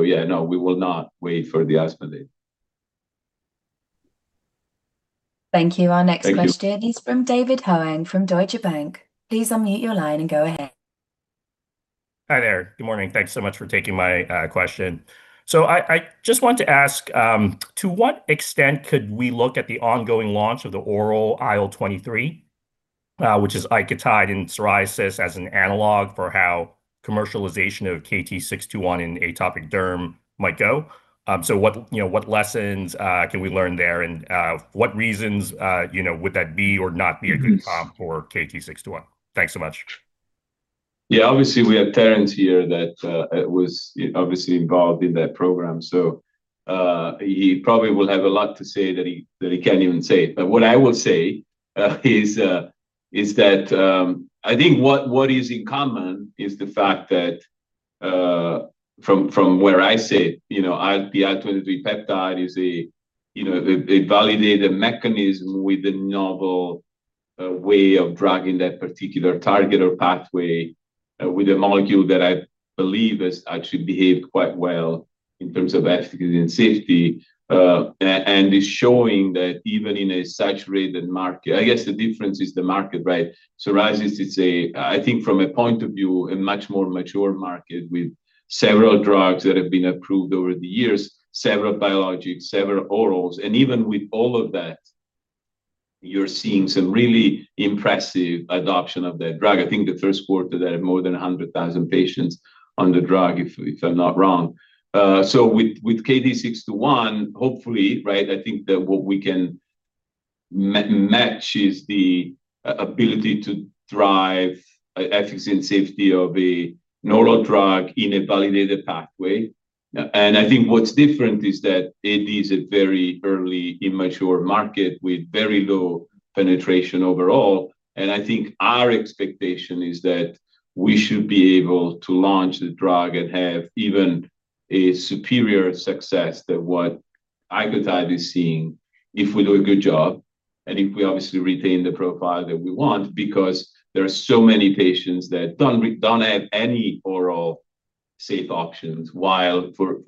AD. Yeah, no, we will not wait for the asthma data. Thank you. Our next question. Thank you. is from David Hoang from Deutsche Bank. Please unmute your line and go ahead. Hi, there. Good morning. Thanks so much for taking my question. I just want to ask, to what extent could we look at the ongoing launch of the oral IL-23, which is ICOTYDE in psoriasis as an analog for how commercialization of KT-621 in atopic derm might go. What lessons can we learn there, and what reasons would that be or not be a good Yes comp for KT-621? Thanks so much. Yeah, obviously we have Terence here that was obviously involved in that program. He probably will have a lot to say that he can't even say. What I will say is that I think what is in common is the fact that, from where I sit, the IL-23 peptide is a validated mechanism with a novel way of dragging that particular target or pathway with a molecule that I believe has actually behaved quite well in terms of efficacy and safety, and is showing that even in a saturated market. I guess the difference is the market. Psoriasis is, I think from a point of view, a much more mature market with several drugs that have been approved over the years, several biologics, several orals, and even with all of that, you're seeing some really impressive adoption of that drug. I think the first quarter they had more than 100,000 patients on the drug, if I'm not wrong. With KT-621, hopefully, I think that what we can match is the ability to drive efficacy and safety of an oral drug in a validated pathway. I think what's different is that it is a very early immature market with very low penetration overall. I think our expectation is that we should be able to launch the drug and have even a superior success than what ICOTYDE is seeing if we do a good job, and if we obviously retain the profile that we want, because there are so many patients that don't have any oral safe options, while for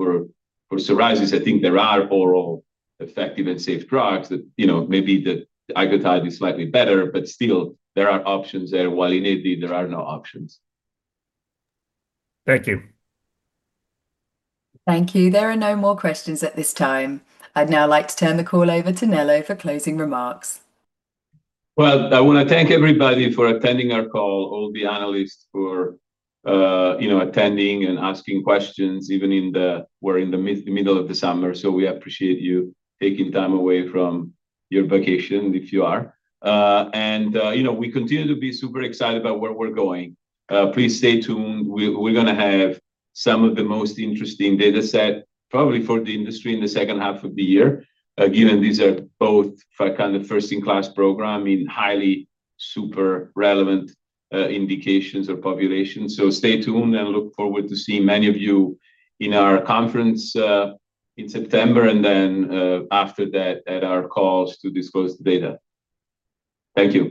psoriasis, I think there are oral effective and safe drugs that maybe the ICOTYDE is slightly better, but still, there are options there, while in AD there are no options. Thank you. Thank you. There are no more questions at this time. I'd now like to turn the call over to Nello for closing remarks. Well, I want to thank everybody for attending our call, all the analysts for attending and asking questions, even in the middle of the summer, so we appreciate you taking time away from your vacation, if you are. We continue to be super excited about where we're going. Please stay tuned. We're going to have some of the most interesting data set, probably for the industry in the second half of the year. Again, these are both kind of first-in-class program in highly, super relevant indications or populations. Stay tuned, and I look forward to seeing many of you in our conference in September, and then after that at our calls to disclose the data. Thank you.